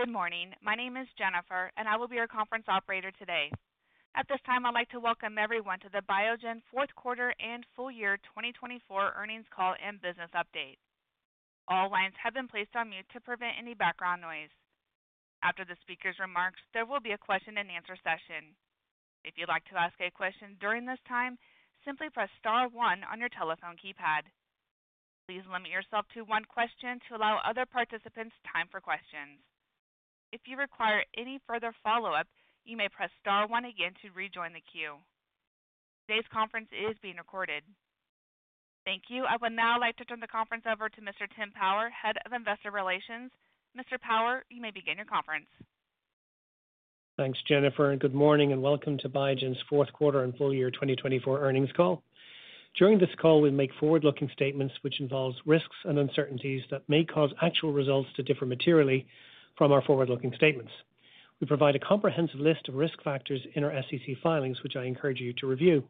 Good morning. My name is Jennifer, and I will be your conference operator today. At this time, I'd like to welcome everyone to the Biogen Fourth Quarter and Full Year 2024 Earnings Call and Business Update. All lines have been placed on mute to prevent any background noise. After the speaker's remarks, there will be a question-and-answer session. If you'd like to ask a question during this time, simply press star one on your telephone keypad. Please limit yourself to one question to allow other participants time for questions. If you require any further follow-up, you may press star one again to rejoin the queue. Today's conference is being recorded. Thank you. I would now like to turn the conference over to Mr. Tim Power, Head of Investor Relations. Mr. Power, you may begin your conference. Thanks, Jennifer, and good morning, and welcome to Biogen's Fourth Quarter and Full Year 2024 Earnings Call. During this call, we make forward-looking statements which involve risks and uncertainties that may cause actual results to differ materially from our forward-looking statements. We provide a comprehensive list of risk factors in our SEC filings, which I encourage you to review.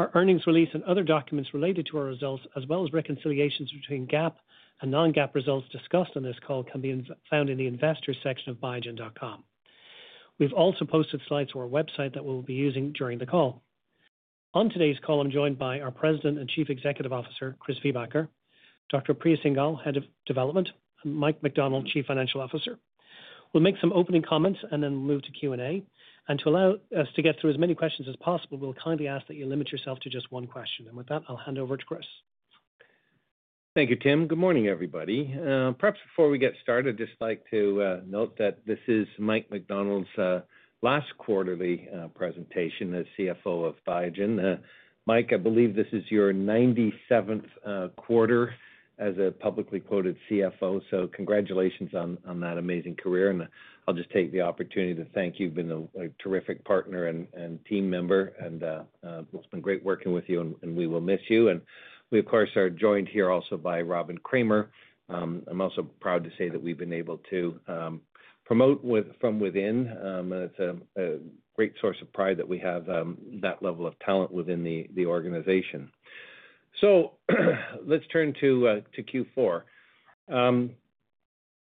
Our earnings release and other documents related to our results, as well as reconciliations between GAAP and non-GAAP results discussed on this call, can be found in the investors' section of biogen.com. We've also posted slides to our website that we'll be using during the call. On today's call, I'm joined by our President and Chief Executive Officer, Chris Viehbacher, Dr. Priya Singhal, Head of Development, and Mike McDonnell, Chief Financial Officer. We'll make some opening comments and then move to Q&A. And to allow us to get through as many questions as possible, we'll kindly ask that you limit yourself to just one question. And with that, I'll hand over to Chris. Thank you, Tim. Good morning, everybody. Perhaps before we get started, I'd just like to note that this is Mike McDonnell's last quarterly presentation as CFO of Biogen. Mike, I believe this is your 97th quarter as a publicly quoted CFO, so congratulations on that amazing career. And I'll just take the opportunity to thank you. You've been a terrific partner and team member, and it's been great working with you, and we will miss you. And we, of course, are joined here also by Robin Kramer. I'm also proud to say that we've been able to promote from within. It's a great source of pride that we have that level of talent within the organization. So let's turn to Q4.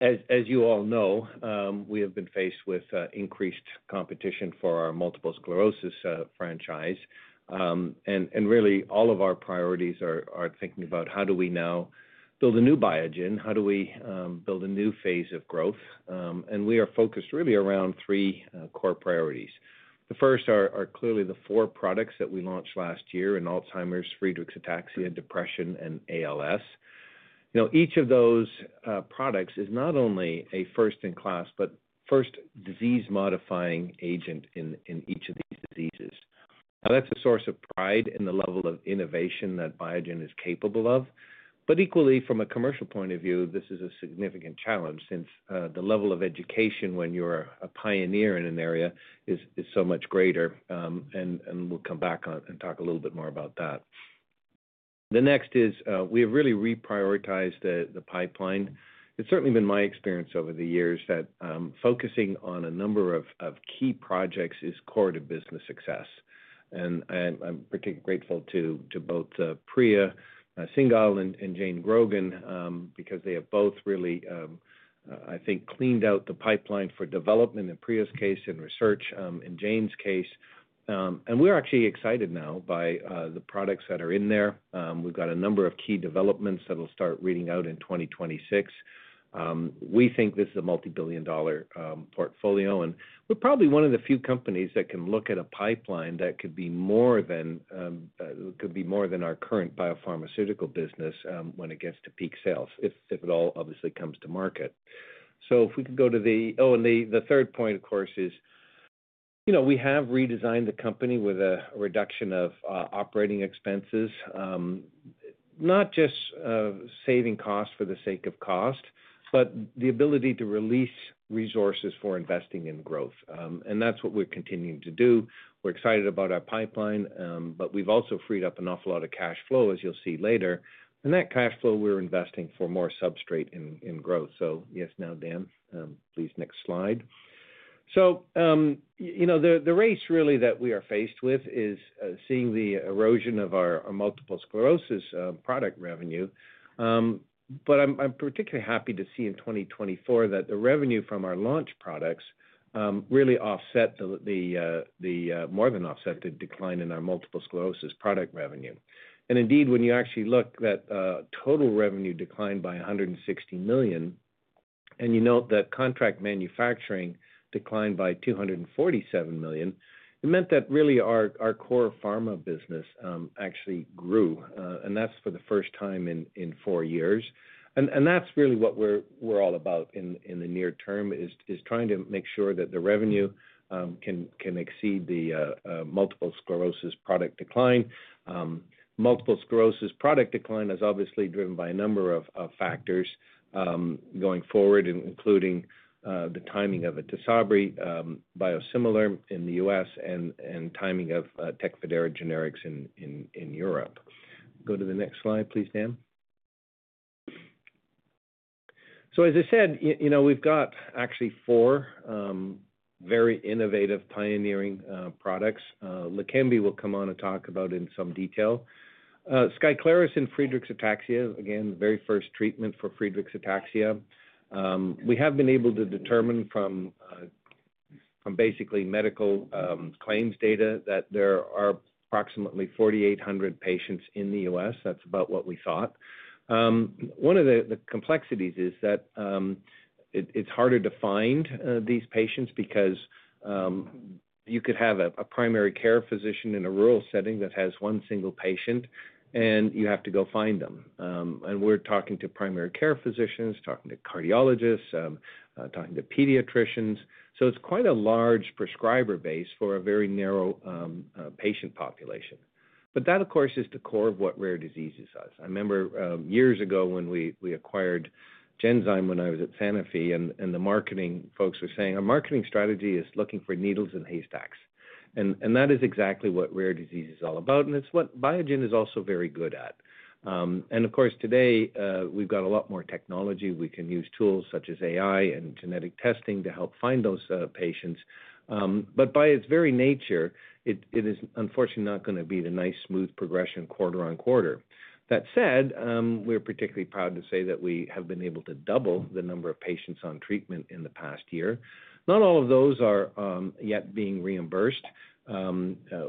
As you all know, we have been faced with increased competition for our multiple sclerosis franchise. Really, all of our priorities are thinking about how do we now build a new Biogen? How do we build a new phase of growth? We are focused really around three core priorities. The first are clearly the four products that we launched last year: Alzheimer's, Friedreich's ataxia, depression, and ALS. Each of those products is not only a first-in-class but first disease-modifying agent in each of these diseases. Now, that's a source of pride in the level of innovation that Biogen is capable of. But equally, from a commercial point of view, this is a significant challenge since the level of education when you're a pioneer in an area is so much greater. We'll come back and talk a little bit more about that. The next is we have really reprioritized the pipeline. It's certainly been my experience over the years that focusing on a number of key projects is core to business success, and I'm particularly grateful to both Priya Singhal and Jane Grogan because they have both really, I think, cleaned out the pipeline for development in Priya's case and research in Jane's case, and we're actually excited now by the products that are in there. We've got a number of key developments that'll start reading out in 2026. We think this is a multi-billion-dollar portfolio, and we're probably one of the few companies that can look at a pipeline that could be more than our current biopharmaceutical business when it gets to peak sales, if it all obviously comes to market. If we could go to the. Oh, and the third point, of course, is we have redesigned the company with a reduction of operating expenses, not just saving costs for the sake of cost, but the ability to release resources for investing in growth. And that's what we're continuing to do. We're excited about our pipeline, but we've also freed up an awful lot of cash flow, as you'll see later. And that cash flow, we're investing for more substrate in growth. Yes, now, Dan, please, next slide. The race really that we are faced with is seeing the erosion of our multiple sclerosis product revenue. But I'm particularly happy to see in 2024 that the revenue from our launch products really offset the, more than offset the decline in our multiple sclerosis product revenue. And indeed, when you actually look at total revenue declined by $160 million and you note that contract manufacturing declined by $247 million, it meant that really our core pharma business actually grew. And that's for the first time in four years. And that's really what we're all about in the near term, is trying to make sure that the revenue can exceed the multiple sclerosis product decline. Multiple sclerosis product decline is obviously driven by a number of factors going forward, including the timing of a Tysabri biosimilar in the U.S. and timing of Tecfidera generics in Europe. Go to the next slide, please, Dan. So as I said, we've got actually four very innovative pioneering products. Leqembi, we'll come on and talk about in some detail. Skyclarys and Friedreich's ataxia, again, the very first treatment for Friedreich's ataxia. We have been able to determine from basically medical claims data that there are approximately 4,800 patients in the U.S. That's about what we thought. One of the complexities is that it's harder to find these patients because you could have a primary care physician in a rural setting that has one single patient, and you have to go find them, and we're talking to primary care physicians, talking to cardiologists, talking to pediatricians, so it's quite a large prescriber base for a very narrow patient population, but that, of course, is the core of what Rare Diseases is. I remember years ago when we acquired Genzyme when I was at Sanofi, and the marketing folks were saying, "Our marketing strategy is looking for needles and haystacks," and that is exactly what Rare Diseases is all about, and it's what Biogen is also very good at. Of course, today, we've got a lot more technology. We can use tools such as AI and genetic testing to help find those patients. But by its very nature, it is unfortunately not going to be the nice smooth progression quarter on quarter. That said, we're particularly proud to say that we have been able to double the number of patients on treatment in the past year. Not all of those are yet being reimbursed.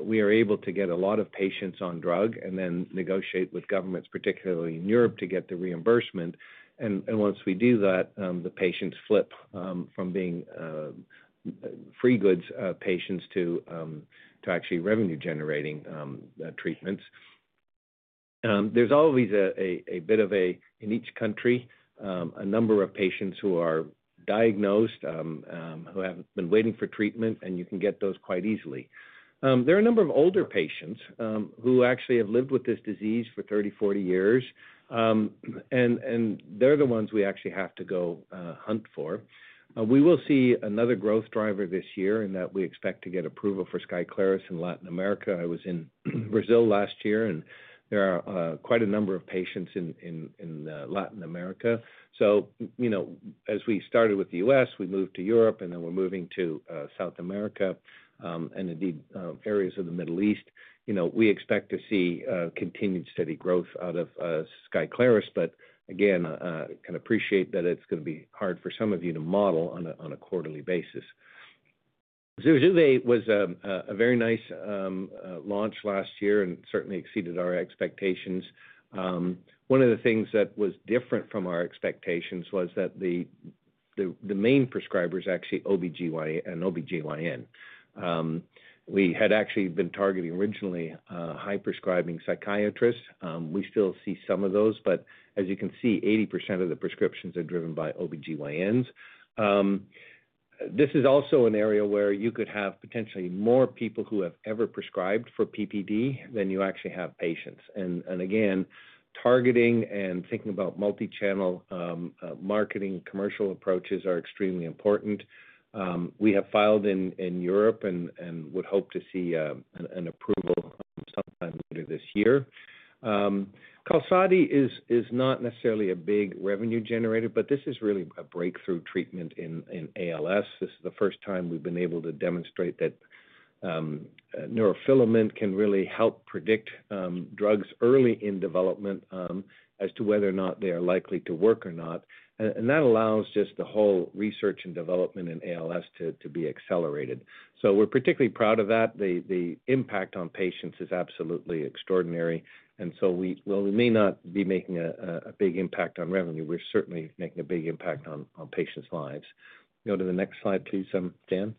We are able to get a lot of patients on drug and then negotiate with governments, particularly in Europe, to get the reimbursement. And once we do that, the patients flip from being free goods patients to actually revenue-generating treatments. There's always a bit of a, in each country, a number of patients who are diagnosed who have been waiting for treatment, and you can get those quite easily. There are a number of older patients who actually have lived with this disease for 30, 40 years, and they're the ones we actually have to go hunt for. We will see another growth driver this year in that we expect to get approval for Skyclarys in Latin America. I was in Brazil last year, and there are quite a number of patients in Latin America. As we started with the U.S., we moved to Europe, and then we're moving to South America and indeed areas of the Middle East. We expect to see continued steady growth out of Skyclarys. Again, I can appreciate that it's going to be hard for some of you to model on a quarterly basis. Zurzuvae was a very nice launch last year and certainly exceeded our expectations. One of the things that was different from our expectations was that the main prescribers actually OB/GYN. We had actually been targeting originally high-prescribing psychiatrists. We still see some of those, but as you can see, 80% of the prescriptions are driven by OB/GYNs. This is also an area where you could have potentially more people who have ever prescribed for PPD than you actually have patients. And again, targeting and thinking about multi-channel marketing and commercial approaches are extremely important. We have filed in Europe and would hope to see an approval sometime later this year. Qalsody is not necessarily a big revenue generator, but this is really a breakthrough treatment in ALS. This is the first time we've been able to demonstrate that neurofilament can really help predict drugs early in development as to whether or not they are likely to work or not. That allows just the whole research and development in ALS to be accelerated. So we're particularly proud of that. The impact on patients is absolutely extraordinary. So while we may not be making a big impact on revenue, we're certainly making a big impact on patients' lives. Go to the next slide, please, Dan.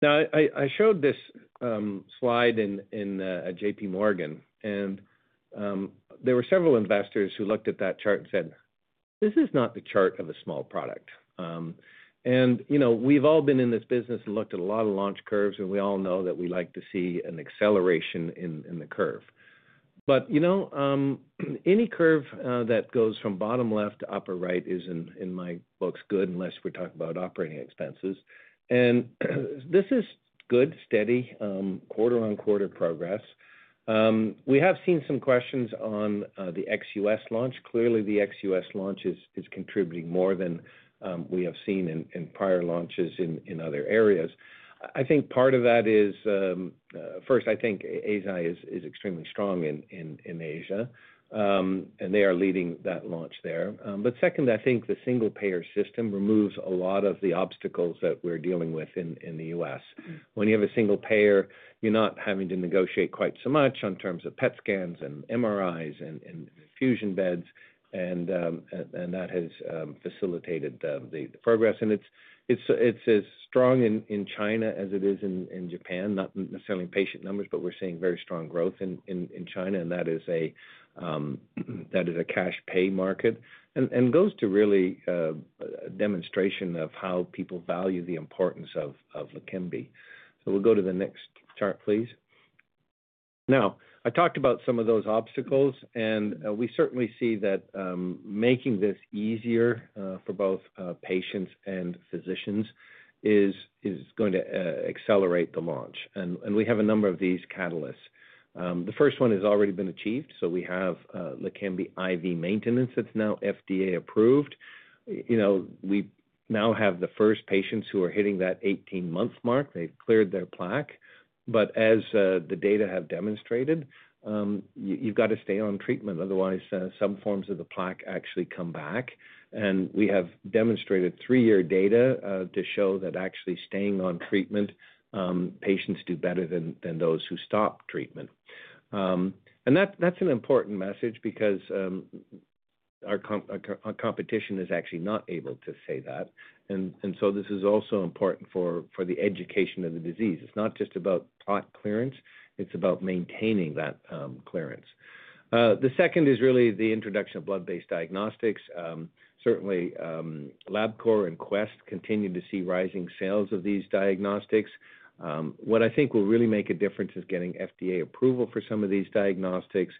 Now, I showed this slide in JPMorgan, and there were several investors who looked at that chart and said, "This is not the chart of a small product." We've all been in this business and looked at a lot of launch curves, and we all know that we like to see an acceleration in the curve. But any curve that goes from bottom left to upper right is, in my books, good unless we're talking about operating expenses. This is good, steady, quarter-on-quarter progress. We have seen some questions on the ex-U.S. launch. Clearly, the ex-U.S. launch is contributing more than we have seen in prior launches in other areas. I think part of that is, first, I think Eisai is extremely strong in Asia, and they are leading that launch there, but second, I think the single-payer system removes a lot of the obstacles that we're dealing with in the U.S. When you have a single payer, you're not having to negotiate quite so much in terms of PET scans and MRIs and infusion beds. And that has facilitated the progress, and it's as strong in China as it is in Japan, not necessarily in patient numbers, but we're seeing very strong growth in China. And that is a cash-pay market and goes to really a demonstration of how people value the importance of Leqembi, so we'll go to the next chart, please. Now, I talked about some of those obstacles, and we certainly see that making this easier for both patients and physicians is going to accelerate the launch. And we have a number of these catalysts. The first one has already been achieved. So we have Leqembi IV maintenance that's now FDA approved. We now have the first patients who are hitting that 18-month mark. They've cleared their plaque. But as the data have demonstrated, you've got to stay on treatment. Otherwise, some forms of the plaque actually come back. And we have demonstrated three-year data to show that actually staying on treatment, patients do better than those who stop treatment. And that's an important message because our competition is actually not able to say that. And so this is also important for the education of the disease. It's not just about plaque clearance. It's about maintaining that clearance. The second is really the introduction of blood-based diagnostics. Certainly, Labcorp and Quest continue to see rising sales of these diagnostics. What I think will really make a difference is getting FDA approval for some of these diagnostics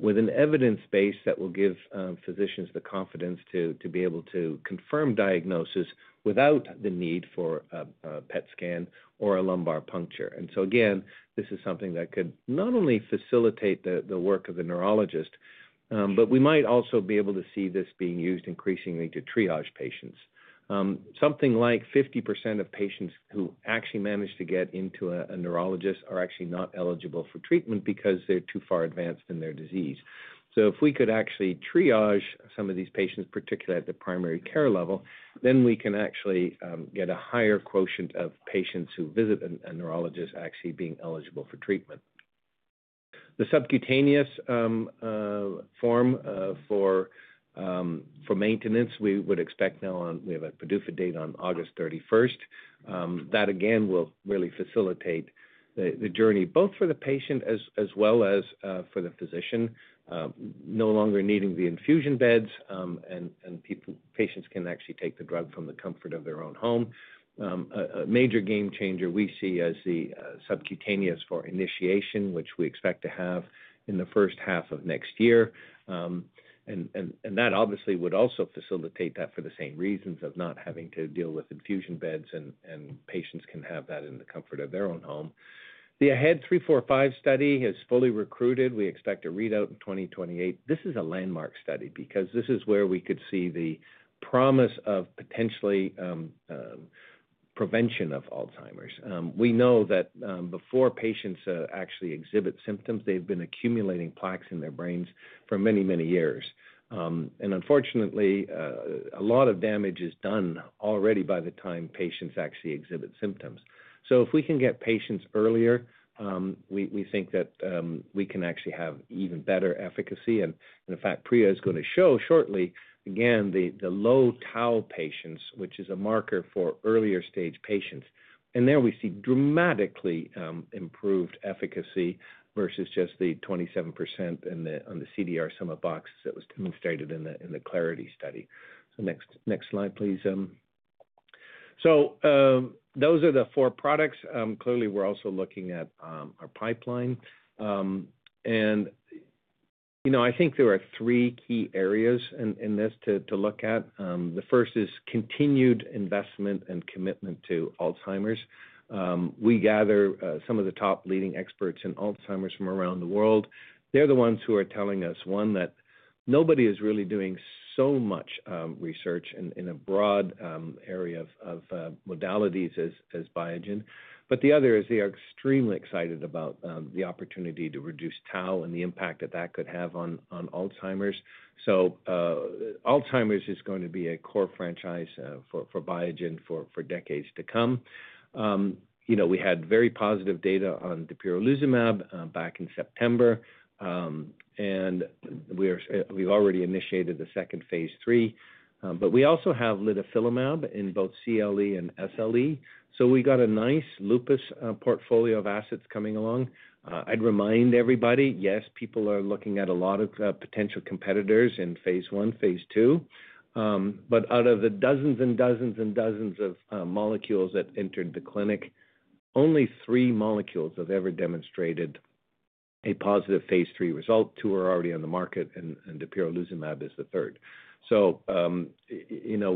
with an evidence base that will give physicians the confidence to be able to confirm diagnosis without the need for a PET scan or a lumbar puncture. And so again, this is something that could not only facilitate the work of the neurologist, but we might also be able to see this being used increasingly to triage patients. Something like 50% of patients who actually manage to get into a neurologist are actually not eligible for treatment because they're too far advanced in their disease. If we could actually triage some of these patients, particularly at the primary care level, then we can actually get a higher quotient of patients who visit a neurologist actually being eligible for treatment. The subcutaneous form for maintenance, we would expect. Now we have a PDUFA date on August 31st. That again will really facilitate the journey both for the patient as well as for the physician, no longer needing the infusion beds, and patients can actually take the drug from the comfort of their own home. A major game changer we see is the subcutaneous for initiation, which we expect to have in the first half of next year. That obviously would also facilitate that for the same reasons of not having to deal with infusion beds, and patients can have that in the comfort of their own home. The AHEAD 3-45 study has fully recruited. We expect a readout in 2028. This is a landmark study because this is where we could see the promise of potentially prevention of Alzheimer's. We know that before patients actually exhibit symptoms, they've been accumulating plaques in their brains for many, many years. And unfortunately, a lot of damage is done already by the time patients actually exhibit symptoms. So if we can get patients earlier, we think that we can actually have even better efficacy. And in fact, Priya is going to show shortly, again, the low tau patients, which is a marker for earlier stage patients. And there we see dramatically improved efficacy versus just the 27% on the CDR Sum of Boxes that was demonstrated in the CLARITY study. So next slide, please. So those are the four products. Clearly, we're also looking at our pipeline. I think there are three key areas in this to look at. The first is continued investment and commitment to Alzheimer's. We gather some of the top leading experts in Alzheimer's from around the world. They're the ones who are telling us, one, that nobody is really doing so much research in a broad area of modalities as Biogen. But the other is they are extremely excited about the opportunity to reduce tau and the impact that that could have on Alzheimer's. Alzheimer's is going to be a core franchise for Biogen for decades to come. We had very positive data on dapirolizumab back in September. We've already initiated the second phase 3. But we also have litifilimab in both CLE and SLE. We got a nice lupus portfolio of assets coming along. I'd remind everybody, yes, people are looking at a lot of potential competitors in phase one, phase two. But out of the dozens and dozens and dozens of molecules that entered the clinic, only three molecules have ever demonstrated a positive phase three result. Two are already on the market, and dapirolizumab is the third. So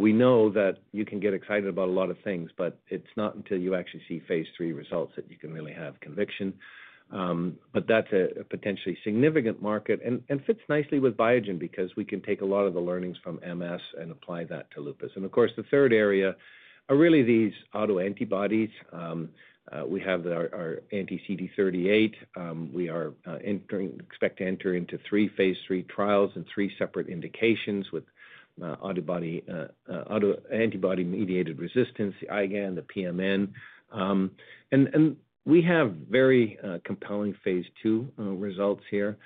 we know that you can get excited about a lot of things, but it's not until you actually see phase three results that you can really have conviction. But that's a potentially significant market. And it fits nicely with Biogen because we can take a lot of the learnings from MS and apply that to lupus. And of course, the third area are really these autoantibodies. We have our anti-CD38. We expect to enter into three phase three trials and three separate indications with antibody-mediated rejection, the IgAN, the PMN. And we have very compelling phase two results here.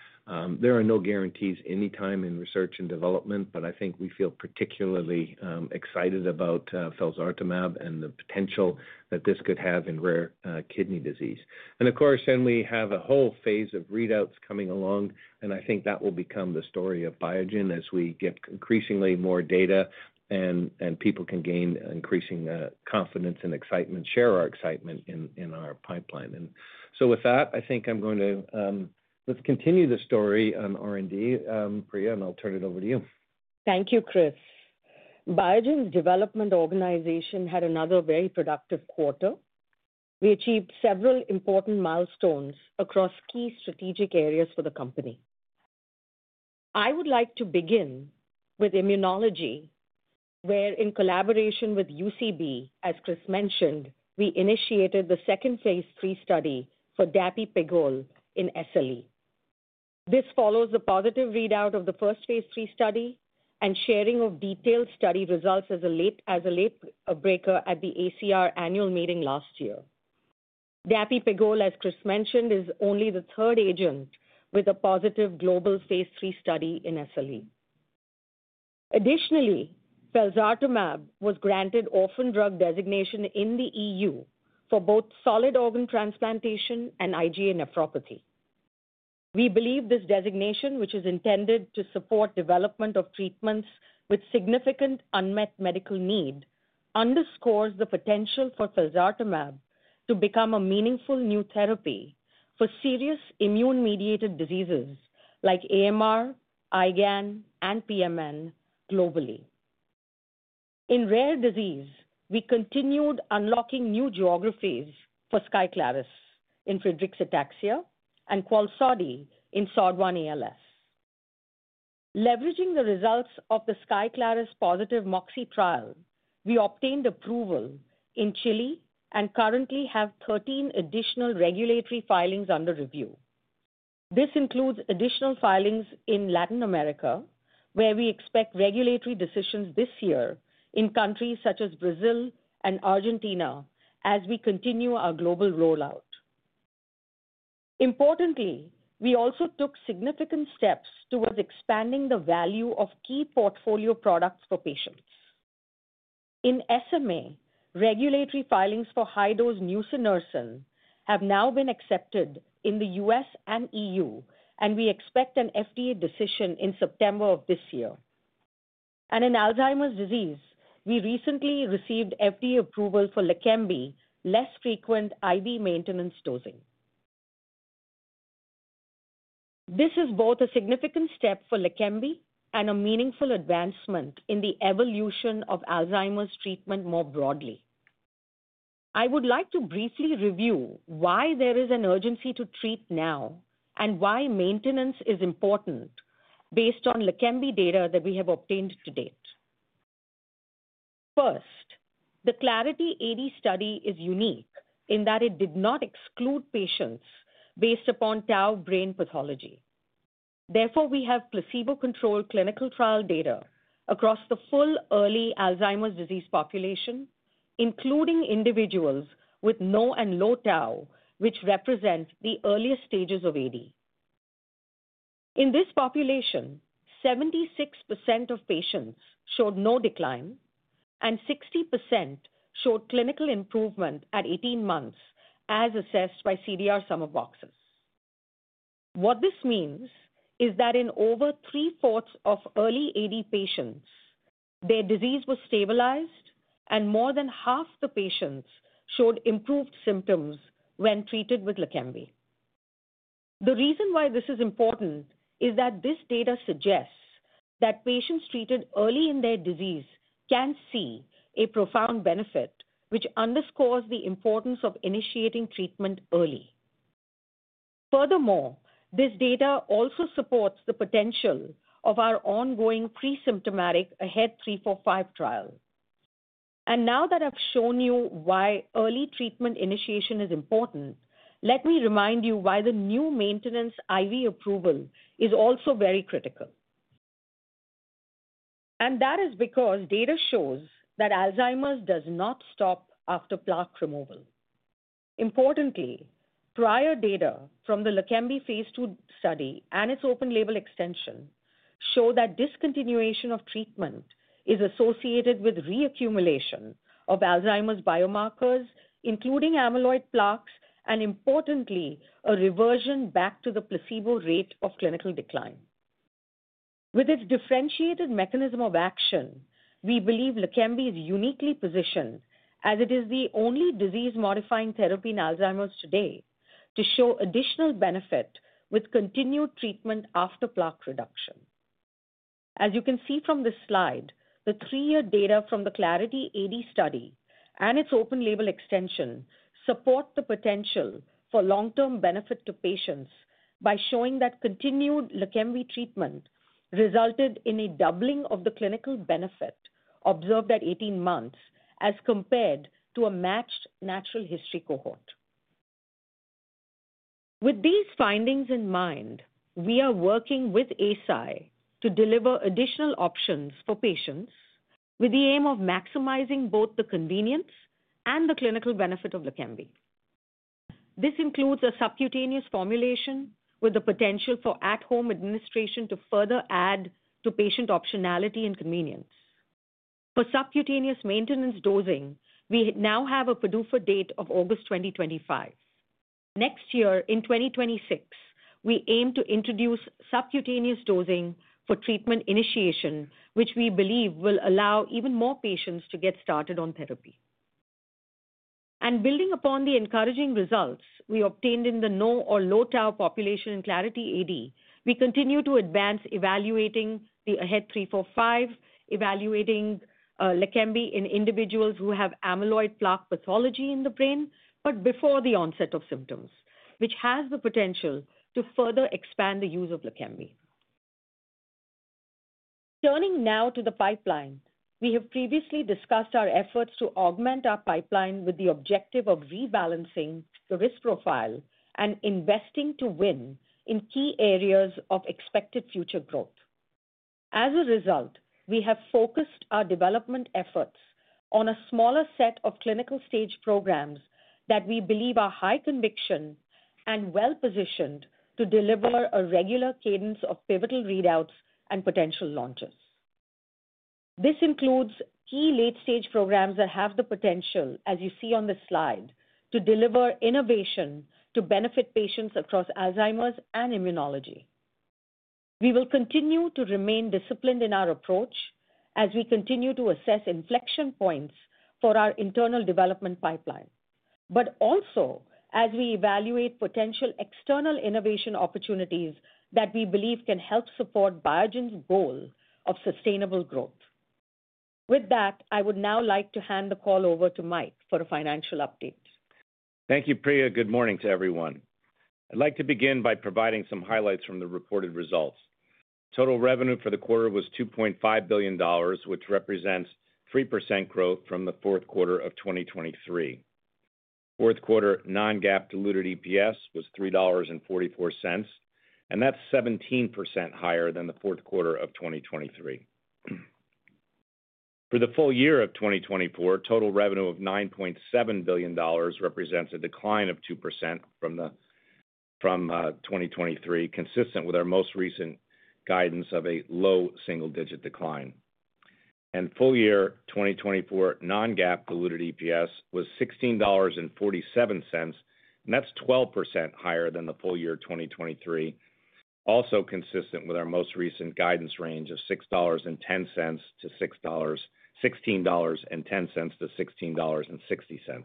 There are no guarantees anytime in research and development, but I think we feel particularly excited about felzartamab and the potential that this could have in rare kidney disease. And of course, then we have a whole phase of readouts coming along. And I think that will become the story of Biogen as we get increasingly more data and people can gain increasing confidence and excitement, share our excitement in our pipeline. And so with that, I think I'm going to. Let's continue the story on R&D, Priya, and I'll turn it over to you. Thank you, Chris. Biogen's development organization had another very productive quarter. We achieved several important milestones across key strategic areas for the company. I would like to begin with immunology, where in collaboration with UCB, as Chris mentioned, we initiated the second phase three study for dapirolizumab pegol in SLE. This follows the positive readout of the first phase three study and sharing of detailed study results as a late breaker at the ACR annual meeting last year. Dapirolizumab pegol, as Chris mentioned, is only the third agent with a positive global phase three study in SLE. Additionally, felzartamab was granted orphan drug designation in the E.U. for both solid organ transplantation and IgA nephropathy. We believe this designation, which is intended to support development of treatments with significant unmet medical need, underscores the potential for felzartamab to become a meaningful new therapy for serious immune-mediated diseases like AMR, IgAN, and PMN globally. In rare disease, we continued unlocking new geographies for Skyclarys in Friedreich's ataxia and Qalsody in SOD1 ALS. Leveraging the results of the Skyclarys positive MOXIe trial, we obtained approval in Chile and currently have 13 additional regulatory filings under review. This includes additional filings in Latin America, where we expect regulatory decisions this year in countries such as Brazil and Argentina as we continue our global rollout. Importantly, we also took significant steps towards expanding the value of key portfolio products for patients. In SMA, regulatory filings for high-dose nusinersen have now been accepted in the U.S. and E.U., and we expect an FDA decision in September of this year, and in Alzheimer's disease, we recently received FDA approval for Leqembi less frequent IV maintenance dosing. This is both a significant step for Leqembi and a meaningful advancement in the evolution of Alzheimer's treatment more broadly. I would like to briefly review why there is an urgency to treat now and why maintenance is important based on Leqembi data that we have obtained to date. First, the CLARITY AD study is unique in that it did not exclude patients based upon tau brain pathology. Therefore, we have placebo-controlled clinical trial data across the full early Alzheimer's disease population, including individuals with no and low tau, which represents the earliest stages of AD. In this population, 76% of patients showed no decline, and 60% showed clinical improvement at 18 months as assessed by CDR sum of boxes. What this means is that in over three-fourths of early AD patients, their disease was stabilized, and more than half the patients showed improved symptoms when treated with Leqembi. The reason why this is important is that this data suggests that patients treated early in their disease can see a profound benefit, which underscores the importance of initiating treatment early. Furthermore, this data also supports the potential of our ongoing pre-symptomatic AHEAD 3-45 trial. Now that I've shown you why early treatment initiation is important, let me remind you why the new maintenance IV approval is also very critical. That is because data shows that Alzheimer's does not stop after plaque removal. Importantly, prior data from the Leqembi phase two study and its open-label extension show that discontinuation of treatment is associated with re-accumulation of Alzheimer's biomarkers, including amyloid plaques, and importantly, a reversion back to the placebo rate of clinical decline. With its differentiated mechanism of action, we believe Leqembi is uniquely positioned as it is the only disease-modifying therapy in Alzheimer's today to show additional benefit with continued treatment after plaque reduction. As you can see from this slide, the three-year data from the CLARITY AD study and its open-label extension support the potential for long-term benefit to patients by showing that continued Leqembi treatment resulted in a doubling of the clinical benefit observed at 18 months as compared to a matched natural history cohort. With these findings in mind, we are working with Eisai to deliver additional options for patients with the aim of maximizing both the convenience and the clinical benefit of Leqembi. This includes a subcutaneous formulation with the potential for at-home administration to further add to patient optionality and convenience. For subcutaneous maintenance dosing, we now have a PDUFA date of August 2025. Next year, in 2026, we aim to introduce subcutaneous dosing for treatment initiation, which we believe will allow even more patients to get started on therapy, and building upon the encouraging results we obtained in the no or low tau population in CLARITY AD, we continue to advance evaluating the AHEAD 3-45, evaluating Leqembi in individuals who have amyloid plaque pathology in the brain, but before the onset of symptoms, which has the potential to further expand the use of Leqembi. Turning now to the pipeline, we have previously discussed our efforts to augment our pipeline with the objective of rebalancing the risk profile and investing to win in key areas of expected future growth. As a result, we have focused our development efforts on a smaller set of clinical-stage programs that we believe are high conviction and well-positioned to deliver a regular cadence of pivotal readouts and potential launches. This includes key late-stage programs that have the potential, as you see on this slide, to deliver innovation to benefit patients across Alzheimer's and immunology. We will continue to remain disciplined in our approach as we continue to assess inflection points for our internal development pipeline, but also as we evaluate potential external innovation opportunities that we believe can help support Biogen's goal of sustainable growth. With that, I would now like to hand the call over to Mike for a financial update. Thank you, Priya. Good morning to everyone. I'd like to begin by providing some highlights from the reported results. Total revenue for the quarter was $2.5 billion, which represents 3% growth from the fourth quarter of 2023. Fourth quarter non-GAAP diluted EPS was $3.44, and that's 17% higher than the fourth quarter of 2023. For the full year of 2024, total revenue of $9.7 billion represents a decline of 2% from 2023, consistent with our most recent guidance of a low single-digit decline. Full year 2024 non-GAAP diluted EPS was $16.47, and that's 12% higher than the full year 2023, also consistent with our most recent guidance range of $16.10 to $16.60.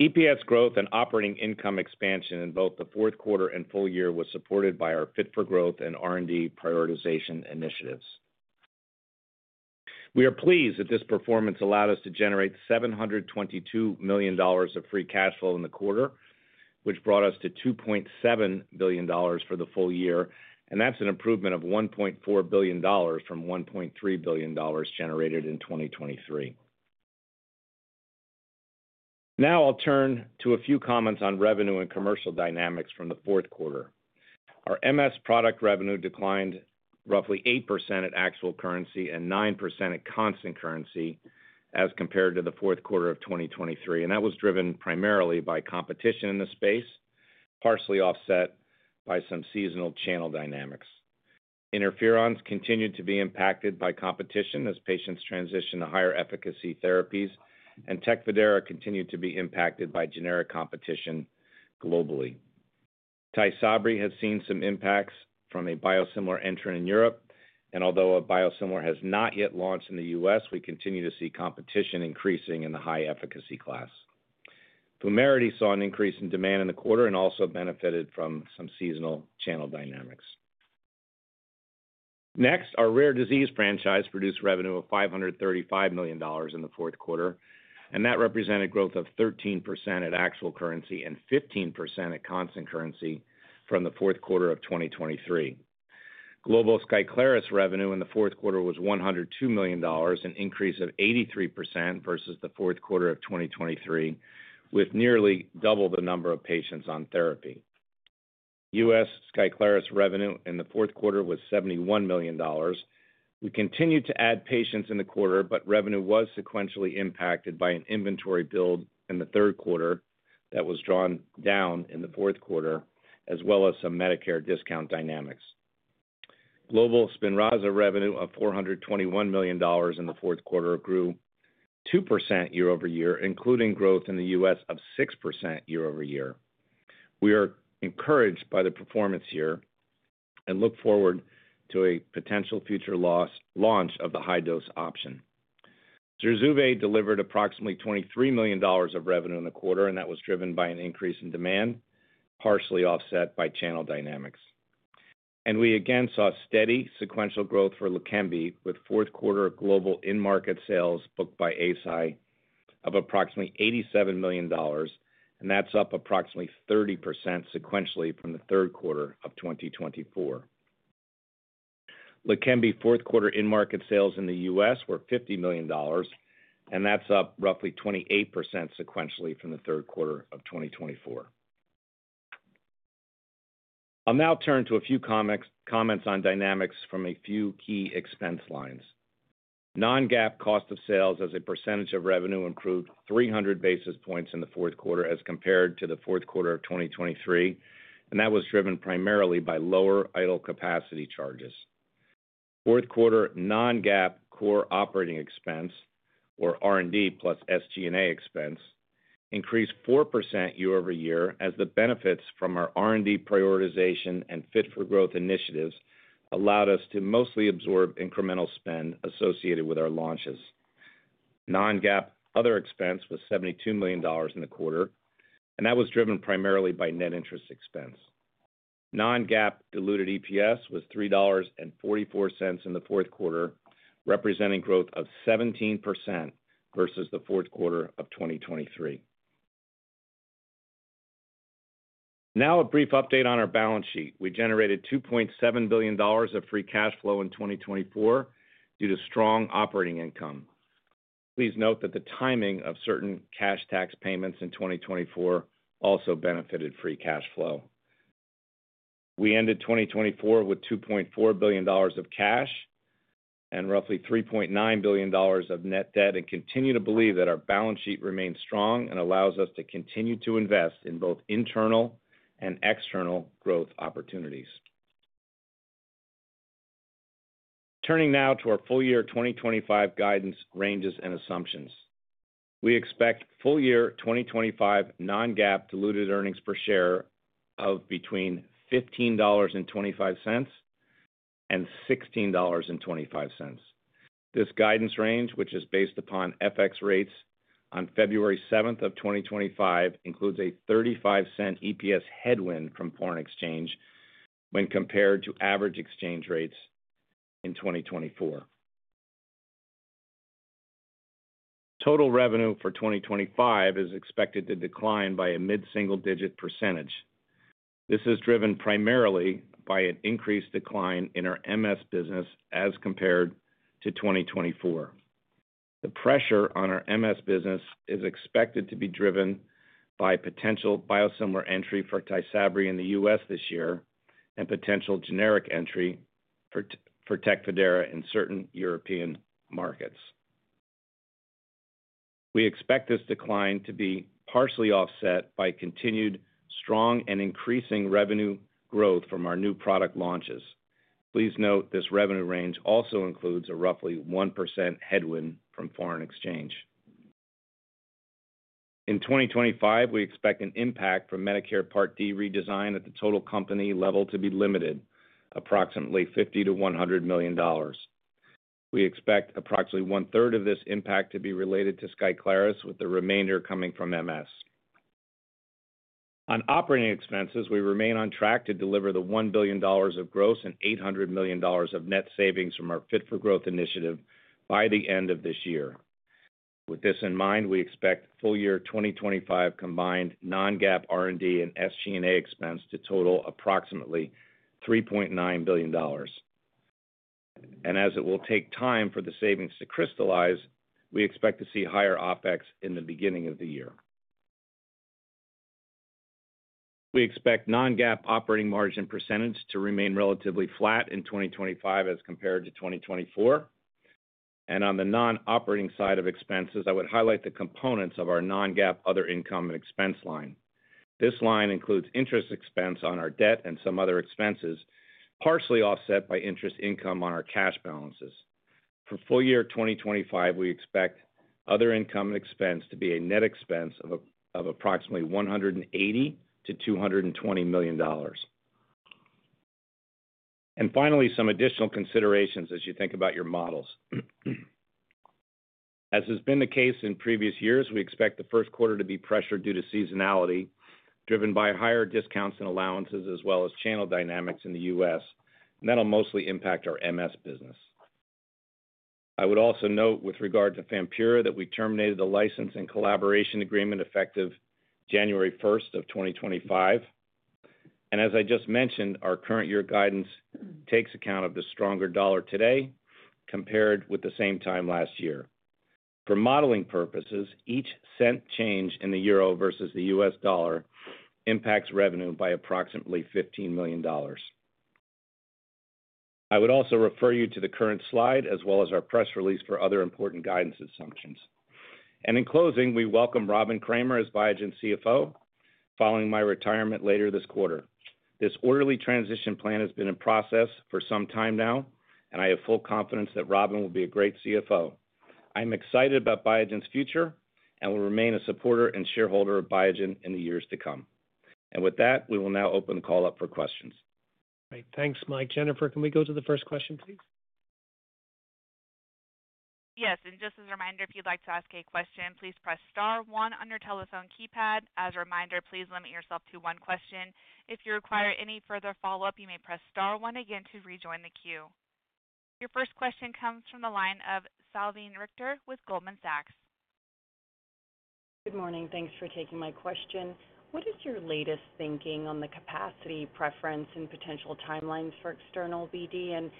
EPS growth and operating income expansion in both the fourth quarter and full year was supported by our Fit for Growth and R&D prioritization initiatives. We are pleased that this performance allowed us to generate $722 million of free cash flow in the quarter, which brought us to $2.7 billion for the full year. That's an improvement of $1.4 billion from $1.3 billion generated in 2023. Now I'll turn to a few comments on revenue and commercial dynamics from the fourth quarter. Our MS product revenue declined roughly 8% at actual currency and 9% at constant currency as compared to the fourth quarter of 2023. And that was driven primarily by competition in the space, partially offset by some seasonal channel dynamics. Interferons continued to be impacted by competition as patients transitioned to higher efficacy therapies, and Tecfidera continued to be impacted by generic competition globally. Tysabri has seen some impacts from a biosimilar entrant in Europe. And although a biosimilar has not yet launched in the U.S., we continue to see competition increasing in the high efficacy class. Vumerity saw an increase in demand in the quarter and also benefited from some seasonal channel dynamics. Next, our rare disease franchise produced revenue of $535 million in the fourth quarter. And that represented growth of 13% at actual currency and 15% at constant currency from the fourth quarter of 2023. Global Skyclarys revenue in the fourth quarter was $102 million, an increase of 83% versus the fourth quarter of 2023, with nearly double the number of patients on therapy. U.S. Skyclarys revenue in the fourth quarter was $71 million. We continued to add patients in the quarter, but revenue was sequentially impacted by an inventory build in the third quarter that was drawn down in the fourth quarter, as well as some Medicare discount dynamics. Global Spinraza revenue of $421 million in the fourth quarter grew 2% year-over-year, including growth in the U.S. of 6% year-over-year. We are encouraged by the performance here and look forward to a potential future launch of the high-dose option. Zurzuvae delivered approximately $23 million of revenue in the quarter, and that was driven by an increase in demand, partially offset by channel dynamics. We again saw steady sequential growth for Leqembi, with fourth quarter global in-market sales booked by Eisai of approximately $87 million, and that's up approximately 30% sequentially from the third quarter of 2024. Leqembi fourth quarter in-market sales in the U.S. were $50 million, and that's up roughly 28% sequentially from the third quarter of 2024. I'll now turn to a few comments on dynamics from a few key expense lines. Non-GAAP cost of sales as a percentage of revenue improved 300 basis points in the fourth quarter as compared to the fourth quarter of 2023, and that was driven primarily by lower idle capacity charges. Fourth quarter non-GAAP core operating expense, or R&D plus SG&A expense, increased 4% year-over-year as the benefits from our R&D prioritization and Fit for Growth initiatives allowed us to mostly absorb incremental spend associated with our launches. Non-GAAP other expense was $72 million in the quarter, and that was driven primarily by net interest expense. Non-GAAP diluted EPS was $3.44 in the fourth quarter, representing growth of 17% versus the fourth quarter of 2023. Now a brief update on our balance sheet. We generated $2.7 billion of free cash flow in 2024 due to strong operating income. Please note that the timing of certain cash tax payments in 2024 also benefited free cash flow. We ended 2024 with $2.4 billion of cash and roughly $3.9 billion of net debt and continue to believe that our balance sheet remains strong and allows us to continue to invest in both internal and external growth opportunities. Turning now to our full year 2025 guidance ranges and assumptions. We expect full year 2025 non-GAAP diluted earnings per share of between $15.25 and $16.25. This guidance range, which is based upon FX rates on February 7th of 2025, includes a $0.35 EPS headwind from foreign exchange when compared to average exchange rates in 2024. Total revenue for 2025 is expected to decline by a mid-single-digit %. This is driven primarily by an increased decline in our MS business as compared to 2024. The pressure on our MS business is expected to be driven by potential biosimilar entry for Tysabri in the U.S. this year and potential generic entry for Tecfidera in certain European markets. We expect this decline to be partially offset by continued strong and increasing revenue growth from our new product launches. Please note this revenue range also includes a roughly 1% headwind from foreign exchange. In 2025, we expect an impact from Medicare Part D redesign at the total company level to be limited, approximately $50-$100 million. We expect approximately one-third of this impact to be related to Skyclarys, with the remainder coming from MS. On operating expenses, we remain on track to deliver the $1 billion of gross and $800 million of net savings from our Fit for Growth initiative by the end of this year. With this in mind, we expect full year 2025 combined non-GAAP R&D and SG&A expense to total approximately $3.9 billion. And as it will take time for the savings to crystallize, we expect to see higher OpEx in the beginning of the year. We expect non-GAAP operating margin percentage to remain relatively flat in 2025 as compared to 2024. And on the non-operating side of expenses, I would highlight the components of our non-GAAP other income and expense line. This line includes interest expense on our debt and some other expenses, partially offset by interest income on our cash balances. For full year 2025, we expect other income and expense to be a net expense of approximately $180-$220 million, and finally, some additional considerations as you think about your models. As has been the case in previous years, we expect the first quarter to be pressured due to seasonality driven by higher discounts and allowances, as well as channel dynamics in the U.S., and that'll mostly impact our MS business. I would also note with regard to Fampyra that we terminated the license and collaboration agreement effective January 1st of 2025, and as I just mentioned, our current year guidance takes account of the stronger dollar today compared with the same time last year. For modeling purposes, each cent change in the euro versus the U.S. dollar impacts revenue by approximately $15 million. I would also refer you to the current slide as well as our press release for other important guidance assumptions. And in closing, we welcome Robin Kramer as Biogen CFO, following my retirement later this quarter. This orderly transition plan has been in process for some time now, and I have full confidence that Robin will be a great CFO. I'm excited about Biogen's future and will remain a supporter and shareholder of Biogen in the years to come. And with that, we will now open the call up for questions. All right. Thanks, Mike. Jennifer, can we go to the first question, please? Yes. And just as a reminder, if you'd like to ask a question, please press star one on your telephone keypad. As a reminder, please limit yourself to one question. If you require any further follow-up, you may press star one again to rejoin the queue. Your first question comes from the line of Salveen Richter with Goldman Sachs. Good morning. Thanks for taking my question. What is your latest thinking on the capacity preference and potential timelines for external BD and in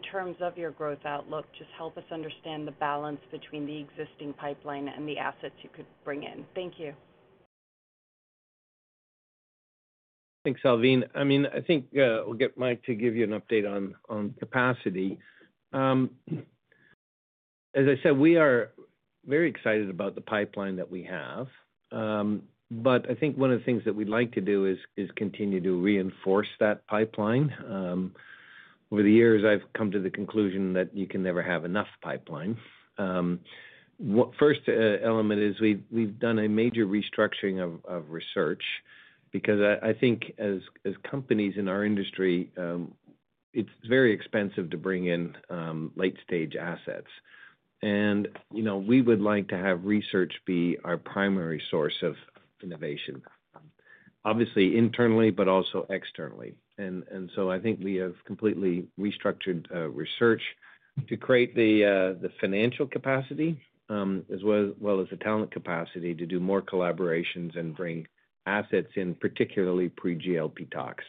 terms of your growth outlook? Just help us understand the balance between the existing pipeline and the assets you could bring in. Thank you. Thanks, Salveen. I mean, I think we'll get Mike to give you an update on capacity. As I said, we are very excited about the pipeline that we have, but I think one of the things that we'd like to do is continue to reinforce that pipeline. Over the years, I've come to the conclusion that you can never have enough pipeline. First element is we've done a major restructuring of research because I think as companies in our industry, it's very expensive to bring in late-stage assets. And we would like to have research be our primary source of innovation, obviously internally, but also externally. And so I think we have completely restructured research to create the financial capacity as well as the talent capacity to do more collaborations and bring assets in, particularly pre-GLP tox.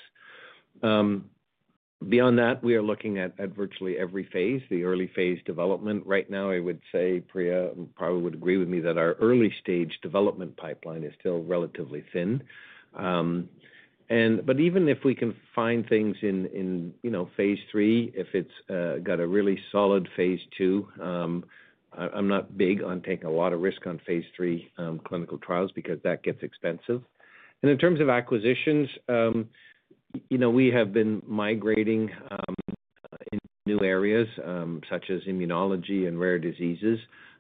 Beyond that, we are looking at virtually every phase, the early phase development. Right now, I would say Priya probably would agree with me that our early-stage development pipeline is still relatively thin. But even if we can find things in phase three, if it's got a really solid phase two, I'm not big on taking a lot of risk on phase three clinical trials because that gets expensive. And in terms of acquisitions, we have been migrating into new areas such as immunology and rare diseases.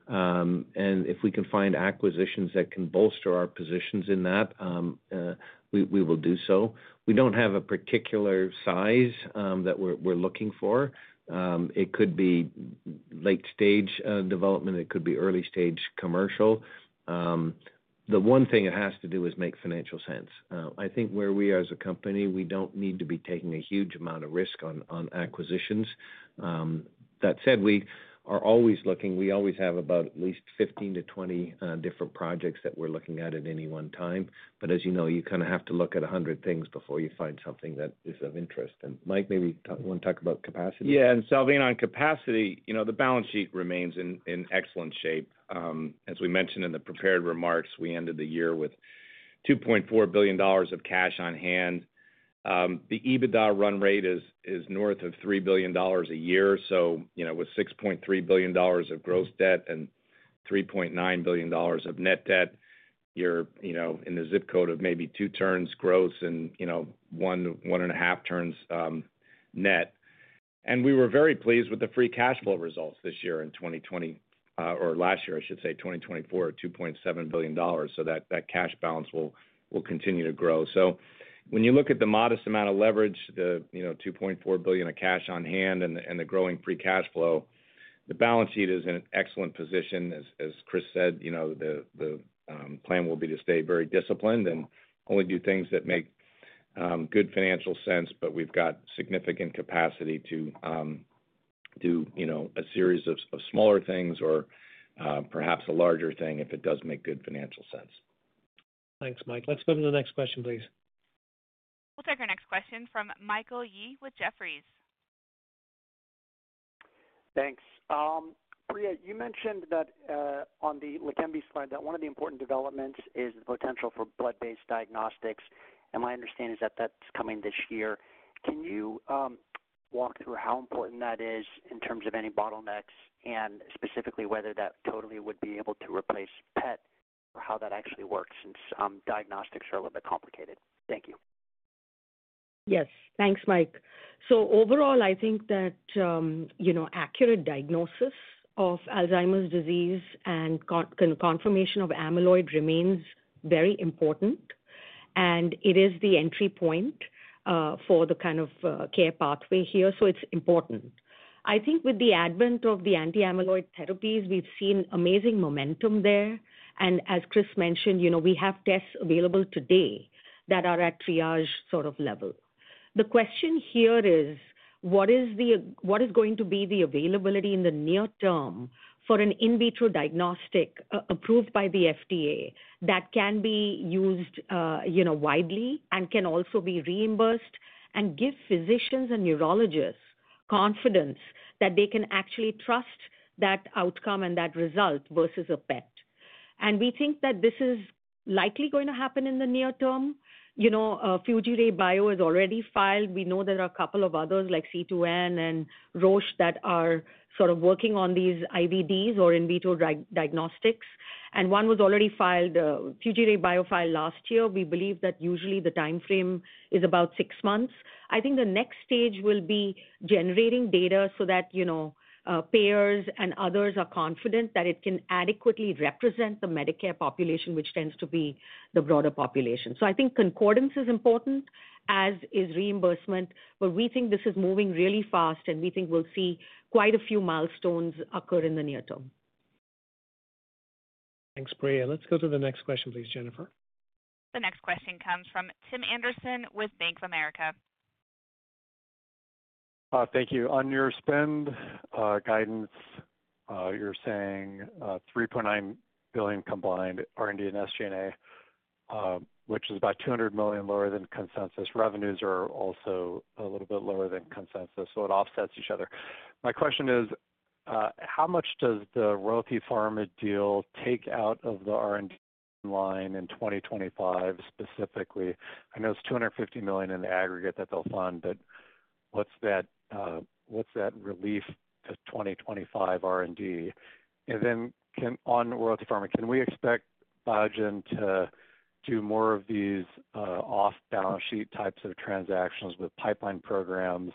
If we can find acquisitions that can bolster our positions in that, we will do so. We don't have a particular size that we're looking for. It could be late-stage development. It could be early-stage commercial. The one thing it has to do is make financial sense. I think where we are as a company, we don't need to be taking a huge amount of risk on acquisitions. That said, we are always looking. We always have about at least 15-20 different projects that we're looking at at any one time. But as you know, you kind of have to look at 100 things before you find something that is of interest. And Mike, maybe you want to talk about capacity? Yeah. Salveen, on capacity, the balance sheet remains in excellent shape. As we mentioned in the prepared remarks, we ended the year with $2.4 billion of cash on hand. The EBITDA run rate is north of $3 billion a year. So with $6.3 billion of gross debt and $3.9 billion of net debt, you're in the zip code of maybe two turns gross and one and a half turns net. And we were very pleased with the free cash flow results this year in 2020 or last year, I should say, 2024, of $2.7 billion. So that cash balance will continue to grow. So when you look at the modest amount of leverage, the $2.4 billion of cash on hand and the growing free cash flow, the balance sheet is in an excellent position. As Chris said, the plan will be to stay very disciplined and only do things that make good financial sense, but we've got significant capacity to do a series of smaller things or perhaps a larger thing if it does make good financial sense. Thanks, Mike. Let's go to the next question, please. We'll take our next question from Michael Yee with Jefferies. Thanks. Priya, you mentioned that on the Leqembi slide, that one of the important developments is the potential for blood-based diagnostics. And my understanding is that that's coming this year. Can you walk through how important that is in terms of any bottlenecks and specifically whether that totally would be able to replace PET or how that actually works since diagnostics are a little bit complicated? Thank you. Yes. Thanks, Mike. Overall, I think that accurate diagnosis of Alzheimer's disease and confirmation of amyloid remains very important. And it is the entry point for the kind of care pathway here. So it's important. I think with the advent of the anti-amyloid therapies, we've seen amazing momentum there. And as Chris mentioned, we have tests available today that are at triage sort of level. The question here is, what is going to be the availability in the near term for an in vitro diagnostic approved by the FDA that can be used widely and can also be reimbursed and give physicians and neurologists confidence that they can actually trust that outcome and that result versus a PET? And we think that this is likely going to happen in the near term. Fujirebio has already filed. We know there are a couple of others like C2N and Roche that are sort of working on these IVDs or in vitro diagnostics. And one was already filed. Fujirebio filed last year. We believe that usually the timeframe is about six months. I think the next stage will be generating data so that payers and others are confident that it can adequately represent the Medicare population, which tends to be the broader population. So I think concordance is important, as is reimbursement. But we think this is moving really fast, and we think we'll see quite a few milestones occur in the near term. Thanks, Priya. Let's go to the next question, please, Jennifer. The next question comes from Tim Anderson with Bank of America. Thank you. On your spend guidance, you're saying $3.9 billion combined R&D and SG&A, which is about $200 million lower than consensus. Revenues are also a little bit lower than consensus, so it offsets each other. My question is, how much does the Royalty Pharma deal take out of the R&D line in 2025 specifically? I know it's $250 million in the aggregate that they'll fund, but what's that relief to 2025 R&D? And then on Royalty Pharma, can we expect Biogen to do more of these off-balance sheet types of transactions with pipeline programs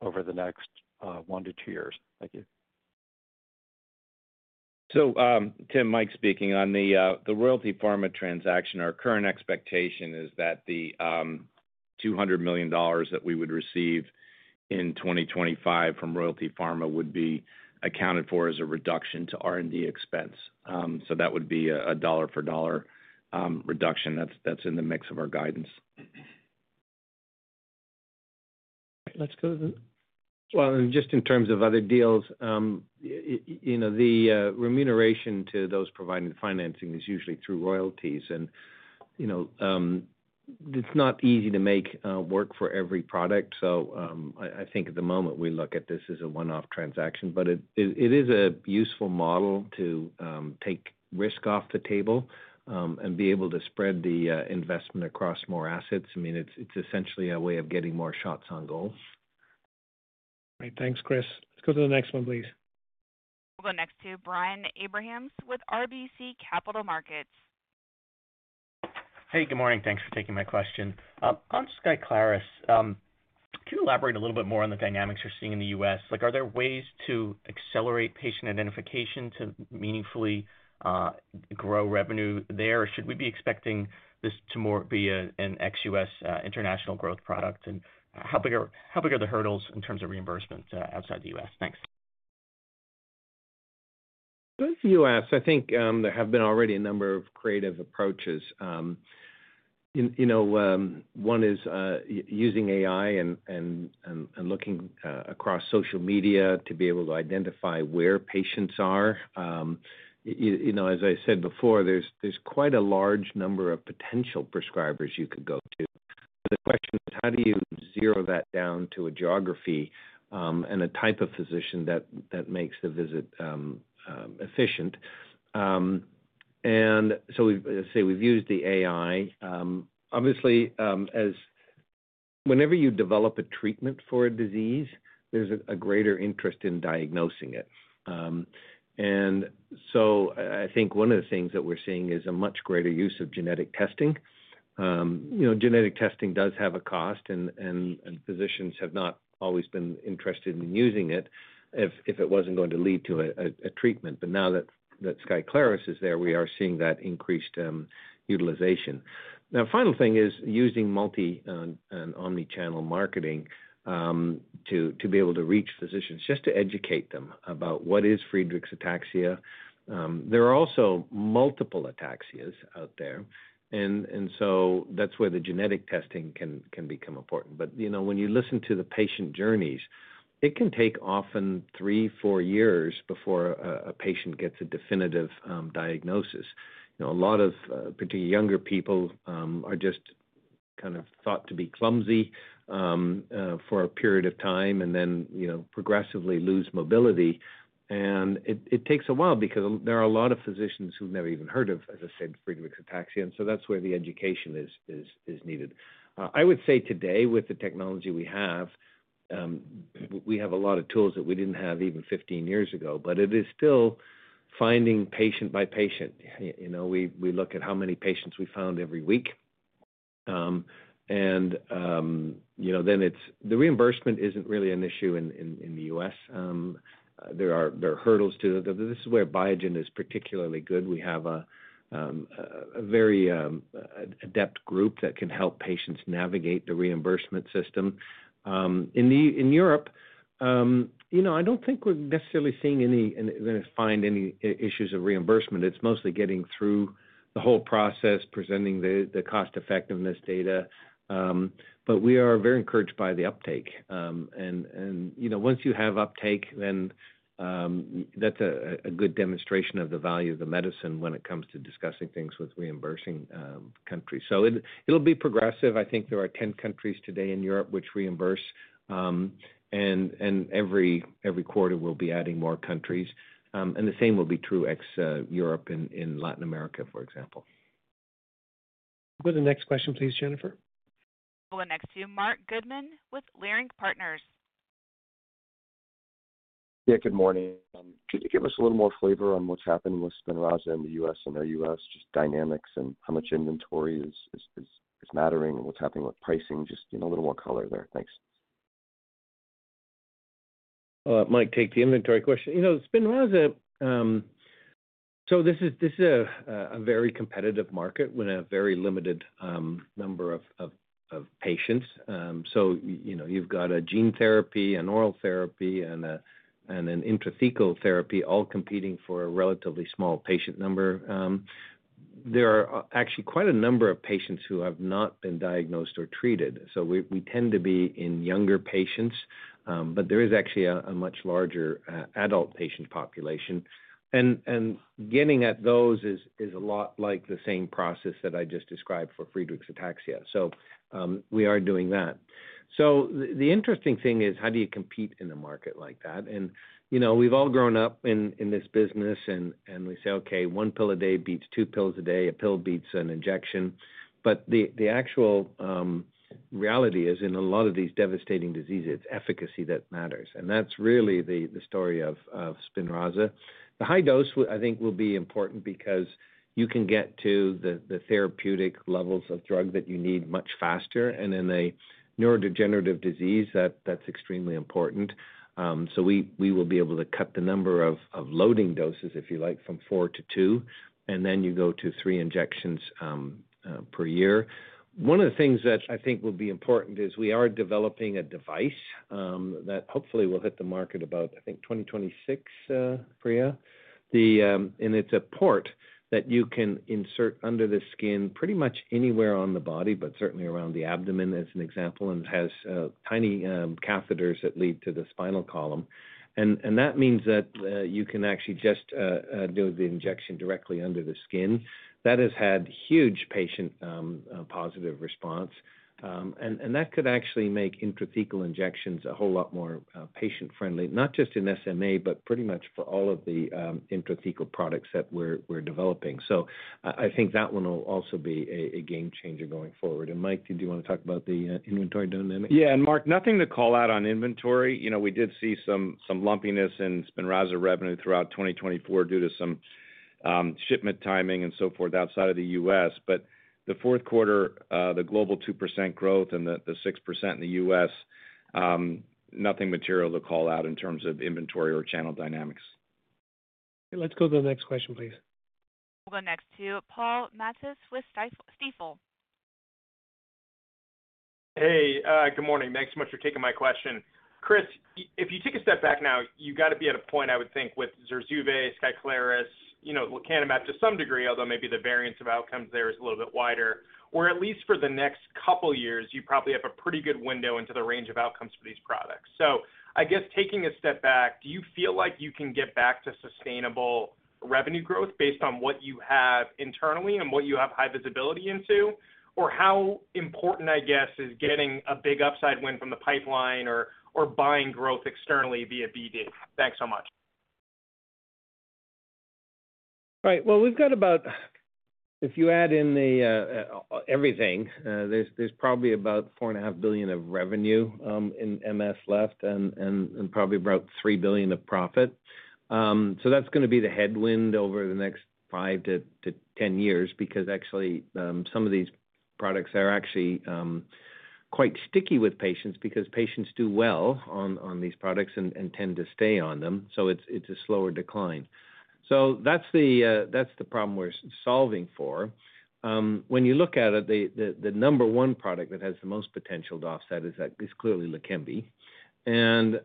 over the next one to two years? Thank you. So Tim, Mike speaking. On the Royalty Pharma transaction, our current expectation is that the $200 million that we would receive in 2025 from Royalty Pharma would be accounted for as a reduction to R&D expense. So that would be a dollar-for-dollar reduction. That's in the mix of our guidance. Let's go to the well, and just in terms of other deals, the remuneration to those providing the financing is usually through royalties, and it's not easy to make work for every product, so I think at the moment, we look at this as a one-off transaction, but it is a useful model to take risk off the table and be able to spread the investment across more assets. I mean, it's essentially a way of getting more shots on goal. All right. Thanks, Chris. Let's go to the next one, please. We'll go next to Brian Abrahams with RBC Capital Markets. Hey, good morning. Thanks for taking my question. On Skyclarys, can you elaborate a little bit more on the dynamics you're seeing in the U.S.? Are there ways to accelerate patient identification to meaningfully grow revenue there? Or should we be expecting this to be an ex-U.S. international growth product? And how big are the hurdles in terms of reimbursement outside the U.S.? Thanks. With the U.S., I think there have been already a number of creative approaches. One is using AI and looking across social media to be able to identify where patients are. As I said before, there's quite a large number of potential prescribers you could go to. The question is, how do you zero that down to a geography and a type of physician that makes the visit efficient? And so we've used the AI. Obviously, whenever you develop a treatment for a disease, there's a greater interest in diagnosing it. And so I think one of the things that we're seeing is a much greater use of genetic testing. Genetic testing does have a cost, and physicians have not always been interested in using it if it wasn't going to lead to a treatment. But now that Skyclarys is there, we are seeing that increased utilization. Now, the final thing is using multi and omnichannel marketing to be able to reach physicians just to educate them about what is Friedreich's ataxia. There are also multiple ataxias out there. And so that's where the genetic testing can become important. But when you listen to the patient journeys, it can take often three, four years before a patient gets a definitive diagnosis. A lot of particularly younger people are just kind of thought to be clumsy for a period of time and then progressively lose mobility. And it takes a while because there are a lot of physicians who've never even heard of, as I said, Friedreich's ataxia. And so that's where the education is needed. I would say today, with the technology we have, we have a lot of tools that we didn't have even 15 years ago, but it is still finding patient by patient. We look at how many patients we found every week. And then the reimbursement isn't really an issue in the U.S. There are hurdles to it. This is where Biogen is particularly good. We have a very adept group that can help patients navigate the reimbursement system. In Europe, I don't think we're necessarily seeing any issues of reimbursement. It's mostly getting through the whole process, presenting the cost-effectiveness data. But we are very encouraged by the uptake. And once you have uptake, then that's a good demonstration of the value of the medicine when it comes to discussing things with reimbursing countries. So it'll be progressive. I think there are 10 countries today in Europe which reimburse, and every quarter, we'll be adding more countries, and the same will be true ex-Europe in Latin America, for example. Go to the next question, please, Jennifer. We'll go next to Marc Goodman with Leerink Partners. Yeah. Good morning. Could you give us a little more flavor on what's happening with Spinraza in the U.S. and ex-U.S., just dynamics and how much inventory is mattering, and what's happening with pricing? Just a little more color there. Thanks. Mike, take the inventory question. Spinraza, so this is a very competitive market with a very limited number of patients. So you've got a gene therapy, an oral therapy, and an intrathecal therapy all competing for a relatively small patient number. There are actually quite a number of patients who have not been diagnosed or treated. So we tend to be in younger patients, but there is actually a much larger adult patient population. And getting at those is a lot like the same process that I just described for Friedreich's ataxia. So we are doing that. So the interesting thing is, how do you compete in a market like that? And we've all grown up in this business, and we say, "Okay, one pill a day beats two pills a day. A pill beats an injection." But the actual reality is, in a lot of these devastating diseases, it's efficacy that matters. And that's really the story of Spinraza. The high dose, I think, will be important because you can get to the therapeutic levels of drug that you need much faster. And in a neurodegenerative disease, that's extremely important. So we will be able to cut the number of loading doses, if you like, from four to two, and then you go to three injections per year. One of the things that I think will be important is we are developing a device that hopefully will hit the market about, I think, 2026, Priya. And it's a port that you can insert under the skin pretty much anywhere on the body, but certainly around the abdomen as an example. And that has tiny catheters that lead to the spinal column. And that means that you can actually just do the injection directly under the skin. That has had huge patient-positive response. And that could actually make intrathecal injections a whole lot more patient-friendly, not just in SMA, but pretty much for all of the intrathecal products that we're developing. I think that one will also be a game changer going forward. Mike, did you want to talk about the inventory dynamic? Yeah. Marc, nothing to call out on inventory. We did see some lumpiness in Spinraza revenue throughout 2024 due to some shipment timing and so forth outside of the U.S. The fourth quarter, the global 2% growth and the 6% in the U.S., nothing material to call out in terms of inventory or channel dynamics. Let's go to the next question, please. We'll go next to Paul Matteis with Stifel. Hey, good morning. Thanks so much for taking my question. Chris, if you take a step back now, you've got to be at a point, I would think, with Zurzuvae, Skyclarys, lecanemab to some degree, although maybe the variance of outcomes there is a little bit wider. Or at least for the next couple of years, you probably have a pretty good window into the range of outcomes for these products. So I guess taking a step back, do you feel like you can get back to sustainable revenue growth based on what you have internally and what you have high visibility into? Or how important, I guess, is getting a big upside win from the pipeline or buying growth externally via BD? Thanks so much. All right. Well, we've got about, if you add in everything, there's probably about $4.5 billion of revenue in MS left and probably about $3 billion of profit. So that's going to be the headwind over the next 5-10 years because actually, some of these products are actually quite sticky with patients because patients do well on these products and tend to stay on them. So it's a slower decline. So that's the problem we're solving for. When you look at it, the number one product that has the most potential to offset is clearly Leqembi. And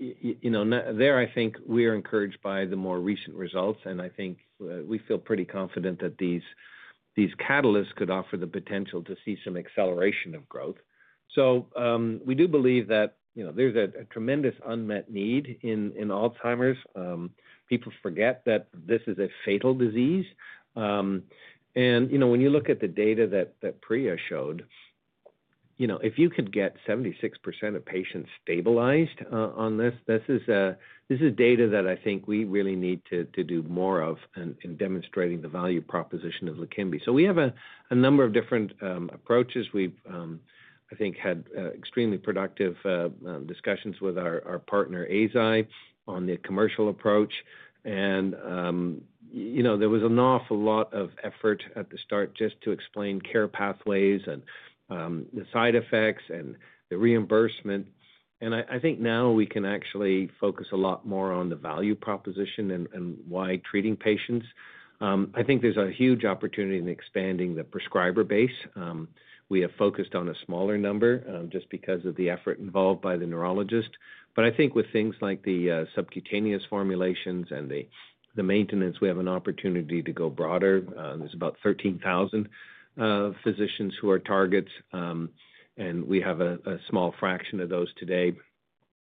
there, I think we're encouraged by the more recent results. And I think we feel pretty confident that these catalysts could offer the potential to see some acceleration of growth. So we do believe that there's a tremendous unmet need in Alzheimer's. People forget that this is a fatal disease. And when you look at the data that Priya showed, if you could get 76% of patients stabilized on this, this is data that I think we really need to do more of in demonstrating the value proposition of Leqembi. So we have a number of different approaches. We've, I think, had extremely productive discussions with our partner, Eisai, on the commercial approach. And there was an awful lot of effort at the start just to explain care pathways and the side effects and the reimbursement. And I think now we can actually focus a lot more on the value proposition and why treating patients. I think there's a huge opportunity in expanding the prescriber base. We have focused on a smaller number just because of the effort involved by the neurologist. But I think with things like the subcutaneous formulations and the maintenance, we have an opportunity to go broader. There's about 13,000 physicians who are targets. And we have a small fraction of those today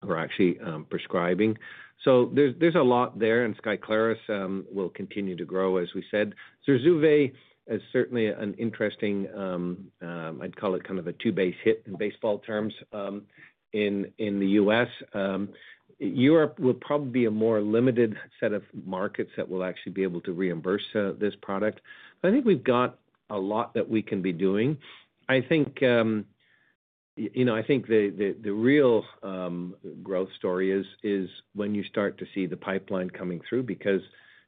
who are actually prescribing. So there's a lot there. And Skyclarys will continue to grow, as we said. Zurzuvae is certainly an interesting. I'd call it kind of a two-base hit in baseball terms in the U.S. Europe will probably be a more limited set of markets that will actually be able to reimburse this product. I think we've got a lot that we can be doing. I think the real growth story is when you start to see the pipeline coming through because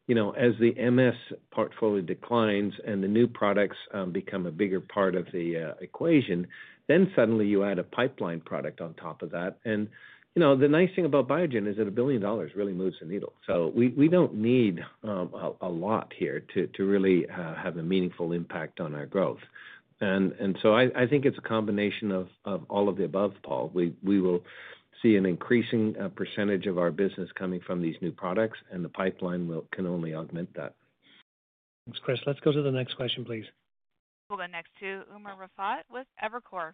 as the MS portfolio declines and the new products become a bigger part of the equation, then suddenly you add a pipeline product on top of that. And the nice thing about Biogen is that $1 billion really moves the needle. So we don't need a lot here to really have a meaningful impact on our growth. And so I think it's a combination of all of the above, Paul. We will see an increasing percentage of our business coming from these new products, and the pipeline can only augment that. Thanks, Chris. Let's go to the next question, please. We'll go next to Umer Raffat with Evercore.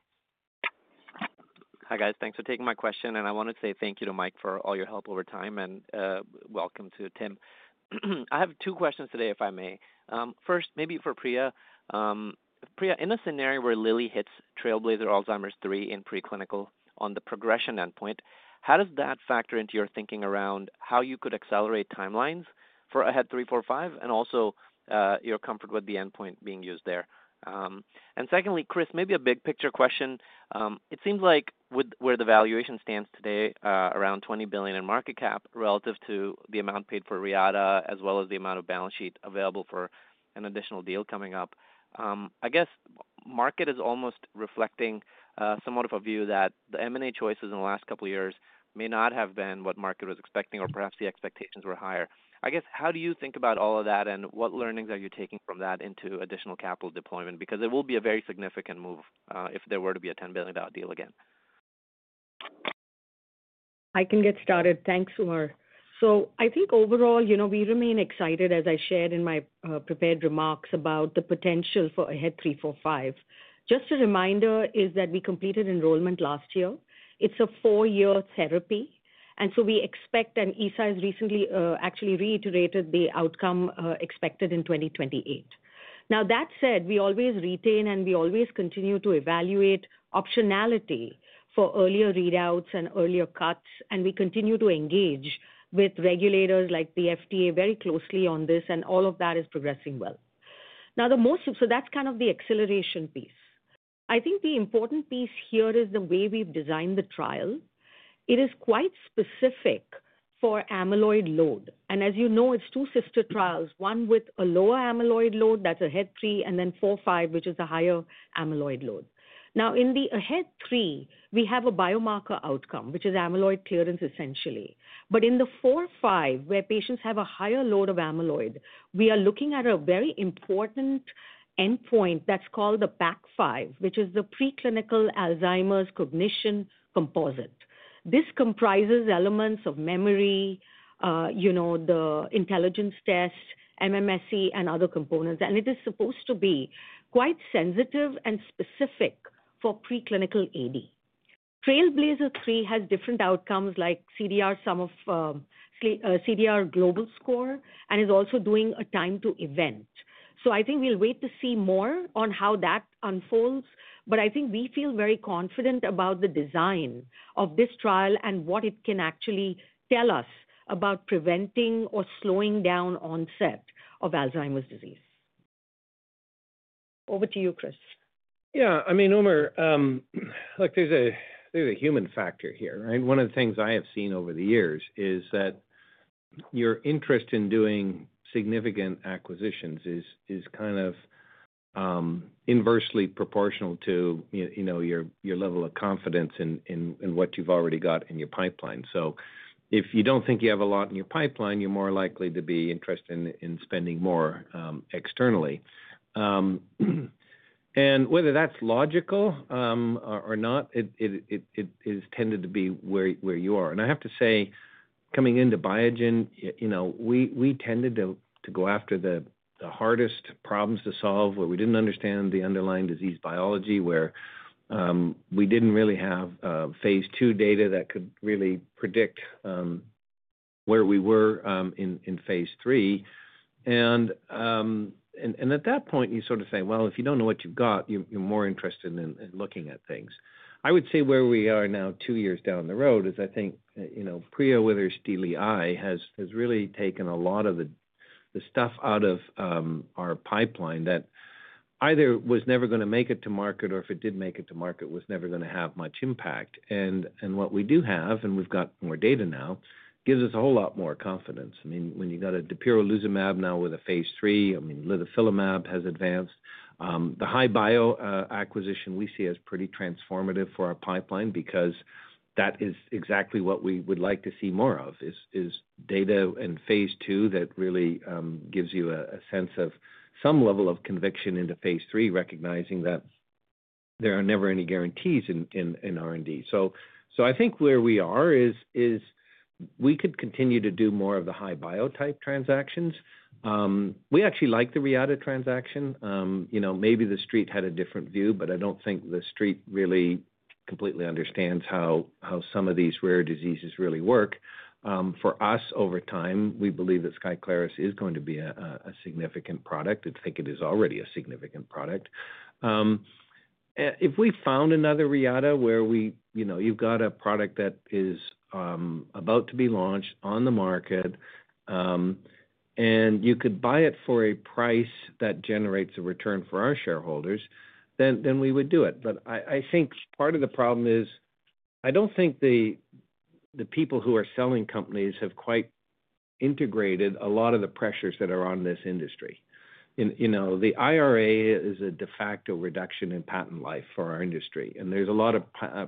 Hi, guys. Thanks for taking my question. And I want to say thank you to Mike for all your help over time. And welcome to Tim. I have two questions today, if I may. First, maybe for Priya. Priya, in a scenario where Lilly hits TRAILBLAZER-ALZ 3 in preclinical on the progression endpoint, how does that factor into your thinking around how you could accelerate timelines for AHEAD 3-45, and also your comfort with the endpoint being used there? And secondly, Chris, maybe a big picture question. It seems like where the valuation stands today, around $20 billion in market cap relative to the amount paid for Reata as well as the amount of balance sheet available for an additional deal coming up, I guess market is almost reflecting somewhat of a view that the M&A choices in the last couple of years may not have been what market was expecting or perhaps the expectations were higher. I guess how do you think about all of that, and what learnings are you taking from that into additional capital deployment? Because it will be a very significant move if there were to be a $10 billion deal again. I can get started. Thanks, Umer. So I think overall, we remain excited, as I shared in my prepared remarks about the potential for AHEAD 3-45. Just a reminder is that we completed enrollment last year. It's a four-year therapy, and so we expect - and Eisai has recently actually reiterated the outcome expected in 2028. Now, that said, we always retain and we always continue to evaluate optionality for earlier readouts and earlier cuts, and we continue to engage with regulators like the FDA very closely on this, and all of that is progressing well. Now, so that's kind of the acceleration piece. I think the important piece here is the way we've designed the trial. It is quite specific for amyloid load, and as you know, it's two sister trials, one with a lower amyloid load that's AHEAD 3, and then 4-5, which is a higher amyloid load. Now, in the AHEAD 3, we have a biomarker outcome, which is amyloid clearance essentially. But in the 4-5, where patients have a higher load of amyloid, we are looking at a very important endpoint that's called the PACC5, which is the preclinical Alzheimer's cognition composite. This comprises elements of memory, the intelligence test, MMSE, and other components. And it is supposed to be quite sensitive and specific for preclinical AD. TRAILBLAZER-ALZ 3 has different outcomes like CDR global score and is also doing a time-to-event. So I think we'll wait to see more on how that unfolds. But I think we feel very confident about the design of this trial and what it can actually tell us about preventing or slowing down onset of Alzheimer's disease. Over to you, Chris. Yeah. I mean, Umer, there's a human factor here, right? One of the things I have seen over the years is that your interest in doing significant acquisitions is kind of inversely proportional to your level of confidence in what you've already got in your pipeline. So if you don't think you have a lot in your pipeline, you're more likely to be interested in spending more externally. And whether that's logical or not, it has tended to be where you are. And I have to say, coming into Biogen, we tended to go after the hardest problems to solve where we didn't understand the underlying disease biology, where we didn't really have phase two data that could really predict where we were in phase three. At that point, you sort of say, "Well, if you don't know what you've got, you're more interested in looking at things." I would say where we are now, two years down the road, is I think Priya, whether it's DELI, has really taken a lot of the stuff out of our pipeline that either was never going to make it to market or, if it did make it to market, was never going to have much impact. And what we do have, and we've got more data now, gives us a whole lot more confidence. I mean, when you got a dapirolizumab now with a phase three, I mean, litifilimab has advanced. The HI-Bio acquisition we see as pretty transformative for our pipeline because that is exactly what we would like to see more of, is data and phase 2 that really gives you a sense of some level of conviction into phase 3, recognizing that there are never any guarantees in R&D. So I think where we are is we could continue to do more of the HI-Bio-type transactions. We actually like the Reata transaction. Maybe the street had a different view, but I don't think the street really completely understands how some of these rare diseases really work. For us, over time, we believe that Skyclarys is going to be a significant product. I think it is already a significant product. If we found another Reata where you've got a product that is about to be launched on the market and you could buy it for a price that generates a return for our shareholders, then we would do it. But I think part of the problem is I don't think the people who are selling companies have quite integrated a lot of the pressures that are on this industry. The IRA is a de facto reduction in patent life for our industry. And there's a lot of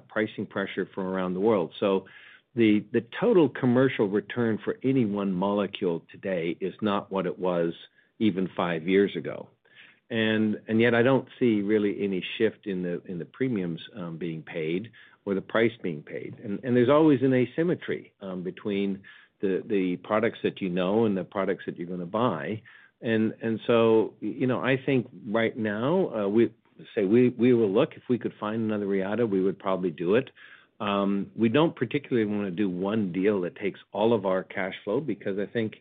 pricing pressure from around the world. So the total commercial return for any one molecule today is not what it was even five years ago. And yet, I don't see really any shift in the premiums being paid or the price being paid. And there's always an asymmetry between the products that you know and the products that you're going to buy. And so I think right now, say, we will look. If we could find another Reata, we would probably do it. We don't particularly want to do one deal that takes all of our cash flow because I think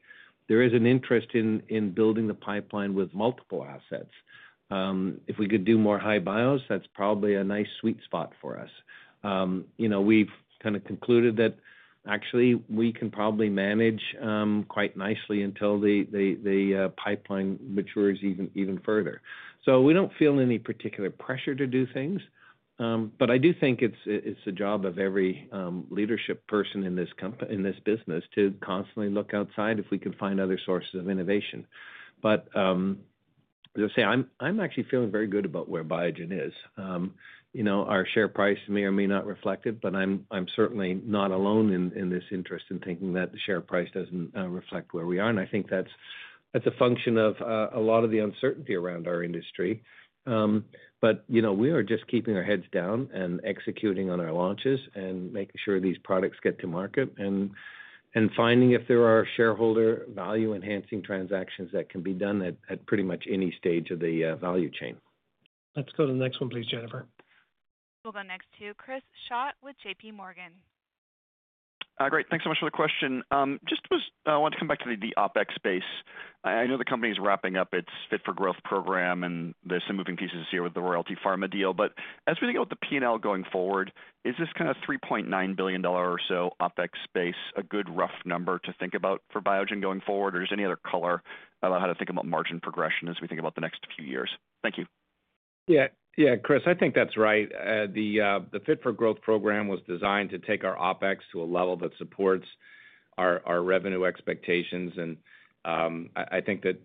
there is an interest in building the pipeline with multiple assets. If we could do more HI-Bio, that's probably a nice sweet spot for us. We've kind of concluded that actually we can probably manage quite nicely until the pipeline matures even further. So we don't feel any particular pressure to do things. But I do think it's the job of every leadership person in this business to constantly look outside if we can find other sources of innovation. But as I say, I'm actually feeling very good about where Biogen is. Our share price may or may not reflect it, but I'm certainly not alone in this interest in thinking that the share price doesn't reflect where we are, and I think that's a function of a lot of the uncertainty around our industry, but we are just keeping our heads down and executing on our launches and making sure these products get to market and finding if there are shareholder value-enhancing transactions that can be done at pretty much any stage of the value chain. Let's go to the next one, please, Jennifer. We'll go next to Chris Schott with JPMorgan. Great. Thanks so much for the question. Just wanted to come back to the OpEx base. I know the company is wrapping up its Fit for Growth program, and there's some moving pieces here with the Royalty Pharma deal. But as we think about the P&L going forward, is this kind of $3.9 billion or so OpEx base a good rough number to think about for Biogen going forward? Or is there any other color about how to think about margin progression as we think about the next few years? Thank you. Yeah. Yeah, Chris, I think that's right. The Fit for Growth program was designed to take our OpEx to a level that supports our revenue expectations. And I think that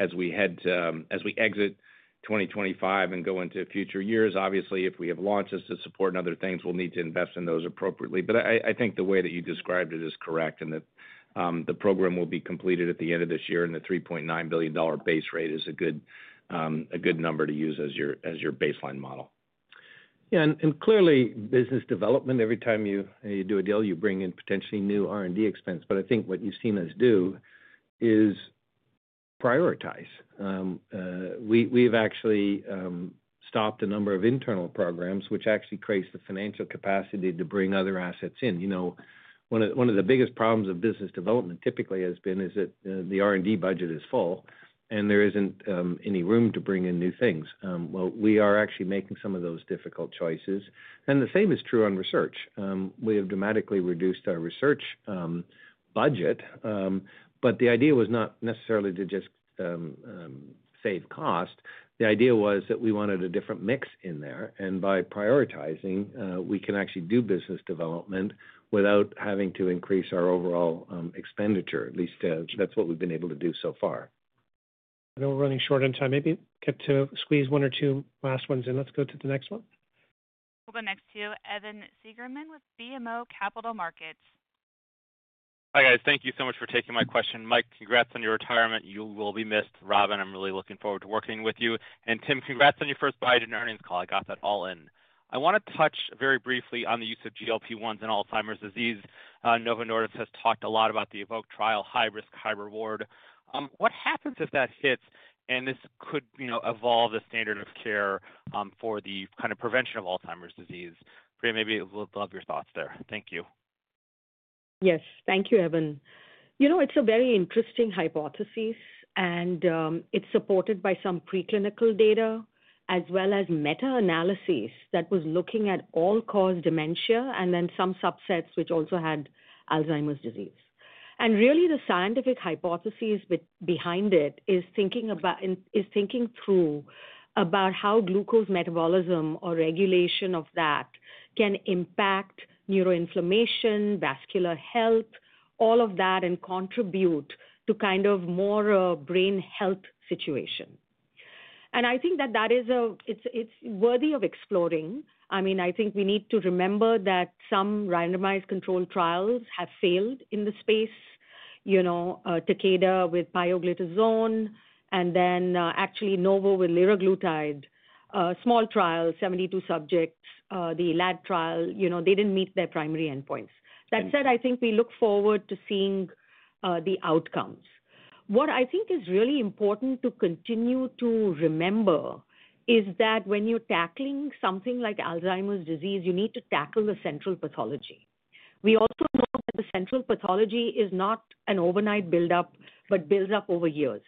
as we exit 2025 and go into future years, obviously, if we have launches to support and other things, we'll need to invest in those appropriately. But I think the way that you described it is correct and that the program will be completed at the end of this year, and the $3.9 billion base rate is a good number to use as your baseline model. Yeah. Clearly, business development, every time you do a deal, you bring in potentially new R&D expense. But I think what you've seen us do is prioritize. We've actually stopped a number of internal programs, which actually creates the financial capacity to bring other assets in. One of the biggest problems of business development typically has been that the R&D budget is full, and there isn't any room to bring in new things. We are actually making some of those difficult choices. The same is true on research. We have dramatically reduced our research budget. But the idea was not necessarily to just save cost. The idea was that we wanted a different mix in there. By prioritizing, we can actually do business development without having to increase our overall expenditure. At least that's what we've been able to do so far. I know we're running short on time. Maybe get to squeeze one or two last ones in. Let's go to the next one. We'll go next to Evan Seigerman with BMO Capital Markets. Hi, guys. Thank you so much for taking my question. Mike, congrats on your retirement. You will be missed. Robin, I'm really looking forward to working with you. And Tim, congrats on your first Biogen earnings call. I got that all in. I want to touch very briefly on the use of GLP-1s in Alzheimer's disease. Novo Nordisk has talked a lot about the Evoke trial, high risk, high reward. What happens if that hits and this could evolve the standard of care for the kind of prevention of Alzheimer's disease? Priya, maybe we'll love your thoughts there. Thank you. Yes. Thank you, Evan. It's a very interesting hypothesis, and it's supported by some preclinical data as well as meta-analysis that was looking at all-cause dementia and then some subsets which also had Alzheimer's disease, and really, the scientific hypothesis behind it is thinking through about how glucose metabolism or regulation of that can impact neuroinflammation, vascular health, all of that, and contribute to kind of more brain health situation, and I think that that is worthy of exploring. I mean, I think we need to remember that some randomized controlled trials have failed in the space to date with pioglitazone and then actually Novo with liraglutide, small trial, 72 subjects, the ELAD trial. They didn't meet their primary endpoints. That said, I think we look forward to seeing the outcomes. What I think is really important to continue to remember is that when you're tackling something like Alzheimer's disease, you need to tackle the central pathology. We also know that the central pathology is not an overnight buildup but builds up over years.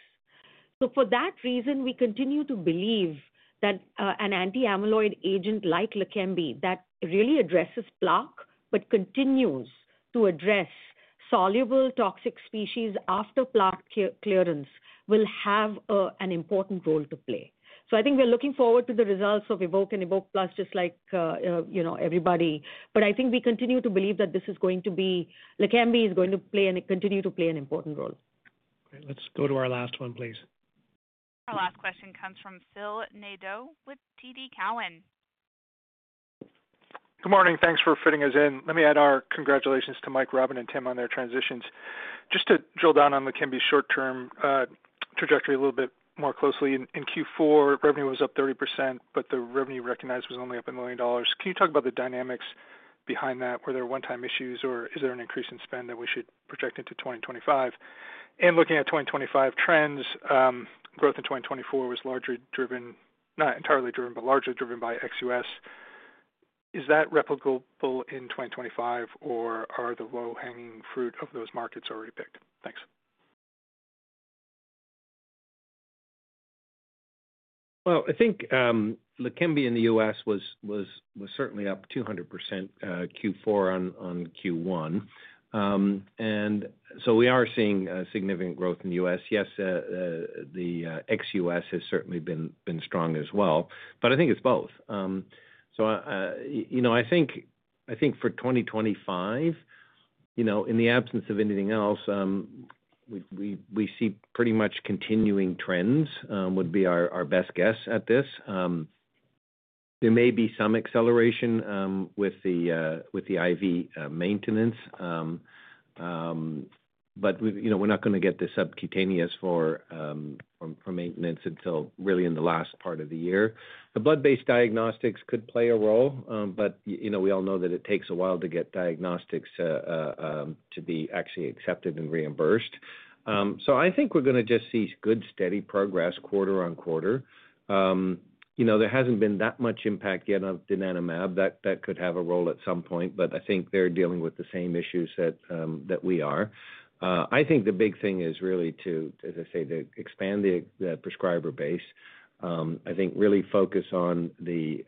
So for that reason, we continue to believe that an anti-amyloid agent like Leqembi that really addresses plaque but continues to address soluble toxic species after plaque clearance will have an important role to play. So I think we're looking forward to the results of Evoke and Evoke Plus, just like everybody. But I think we continue to believe that this is going to be Leqembi is going to play and continue to play an important role. Great. Let's go to our last one, please. Our last question comes from Phil Nadeau with TD Cowen. Good morning. Thanks for fitting us in. Let me add our congratulations to Mike, Robin, and Tim on their transitions. Just to drill down on Leqembi's short-term trajectory a little bit more closely, in Q4, revenue was up 30%, but the revenue recognized was only up $1 million. Can you talk about the dynamics behind that? Were there one-time issues, or is there an increase in spend that we should project into 2025? And looking at 2025 trends, growth in 2024 was largely driven, not entirely driven, but largely driven by ex-U.S. Is that replicable in 2025, or are the low-hanging fruit of those markets already picked? Thanks. Well, I think Leqembi in the U.S. was certainly up 200% Q4 on Q1. And so we are seeing significant growth in the U.S.. Yes, the ex-U.S. has certainly been strong as well. But I think it's both. So I think for 2025, in the absence of anything else, we see pretty much continuing trends would be our best guess at this. There may be some acceleration with the IV maintenance, but we're not going to get this subcutaneous for maintenance until really in the last part of the year. The blood-based diagnostics could play a role, but we all know that it takes a while to get diagnostics to be actually accepted and reimbursed. So I think we're going to just see good steady progress quarter on quarter. There hasn't been that much impact yet on donanemab that could have a role at some point, but I think they're dealing with the same issues that we are. I think the big thing is really, as I say, to expand the prescriber base. I think really focus on the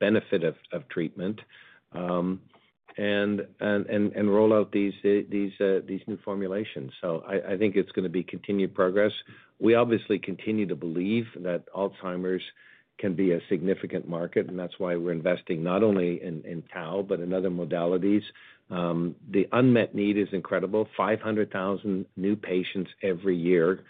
benefit of treatment and roll out these new formulations. So I think it's going to be continued progress. We obviously continue to believe that Alzheimer's can be a significant market, and that's why we're investing not only in tau, but in other modalities. The unmet need is incredible. 500,000 new patients every year.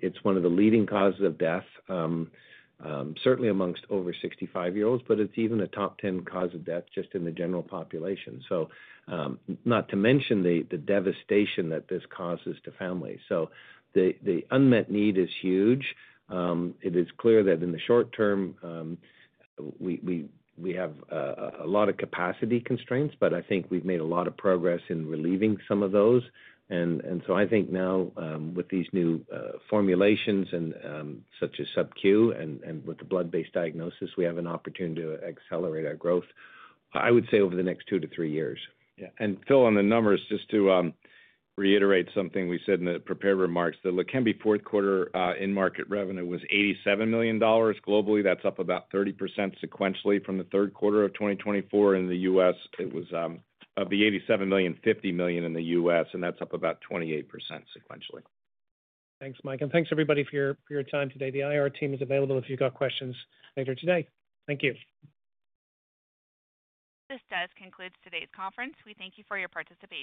It's one of the leading causes of death, certainly amongst over 65-year-olds, but it's even a top 10 cause of death just in the general population. So not to mention the devastation that this causes to families. So the unmet need is huge. It is clear that in the short term, we have a lot of capacity constraints, but I think we've made a lot of progress in relieving some of those. And so I think now with these new formulations such as SubQ and with the blood-based diagnosis, we have an opportunity to accelerate our growth, I would say, over the next two to three years. Yeah. And Phil, on the numbers, just to reiterate something we said in the prepared remarks, the Leqembi fourth quarter in-market revenue was $87 million globally. That's up about 30% sequentially from the third quarter of 2024 in the U.S. It was, of the $87 million, $50 million in the U.S., and that's up about 28% sequentially. Thanks, Mike. And thanks, everybody, for your time today. The IR team is available if you've got questions later today. Thank you. This does conclude today's conference. We thank you for your participation.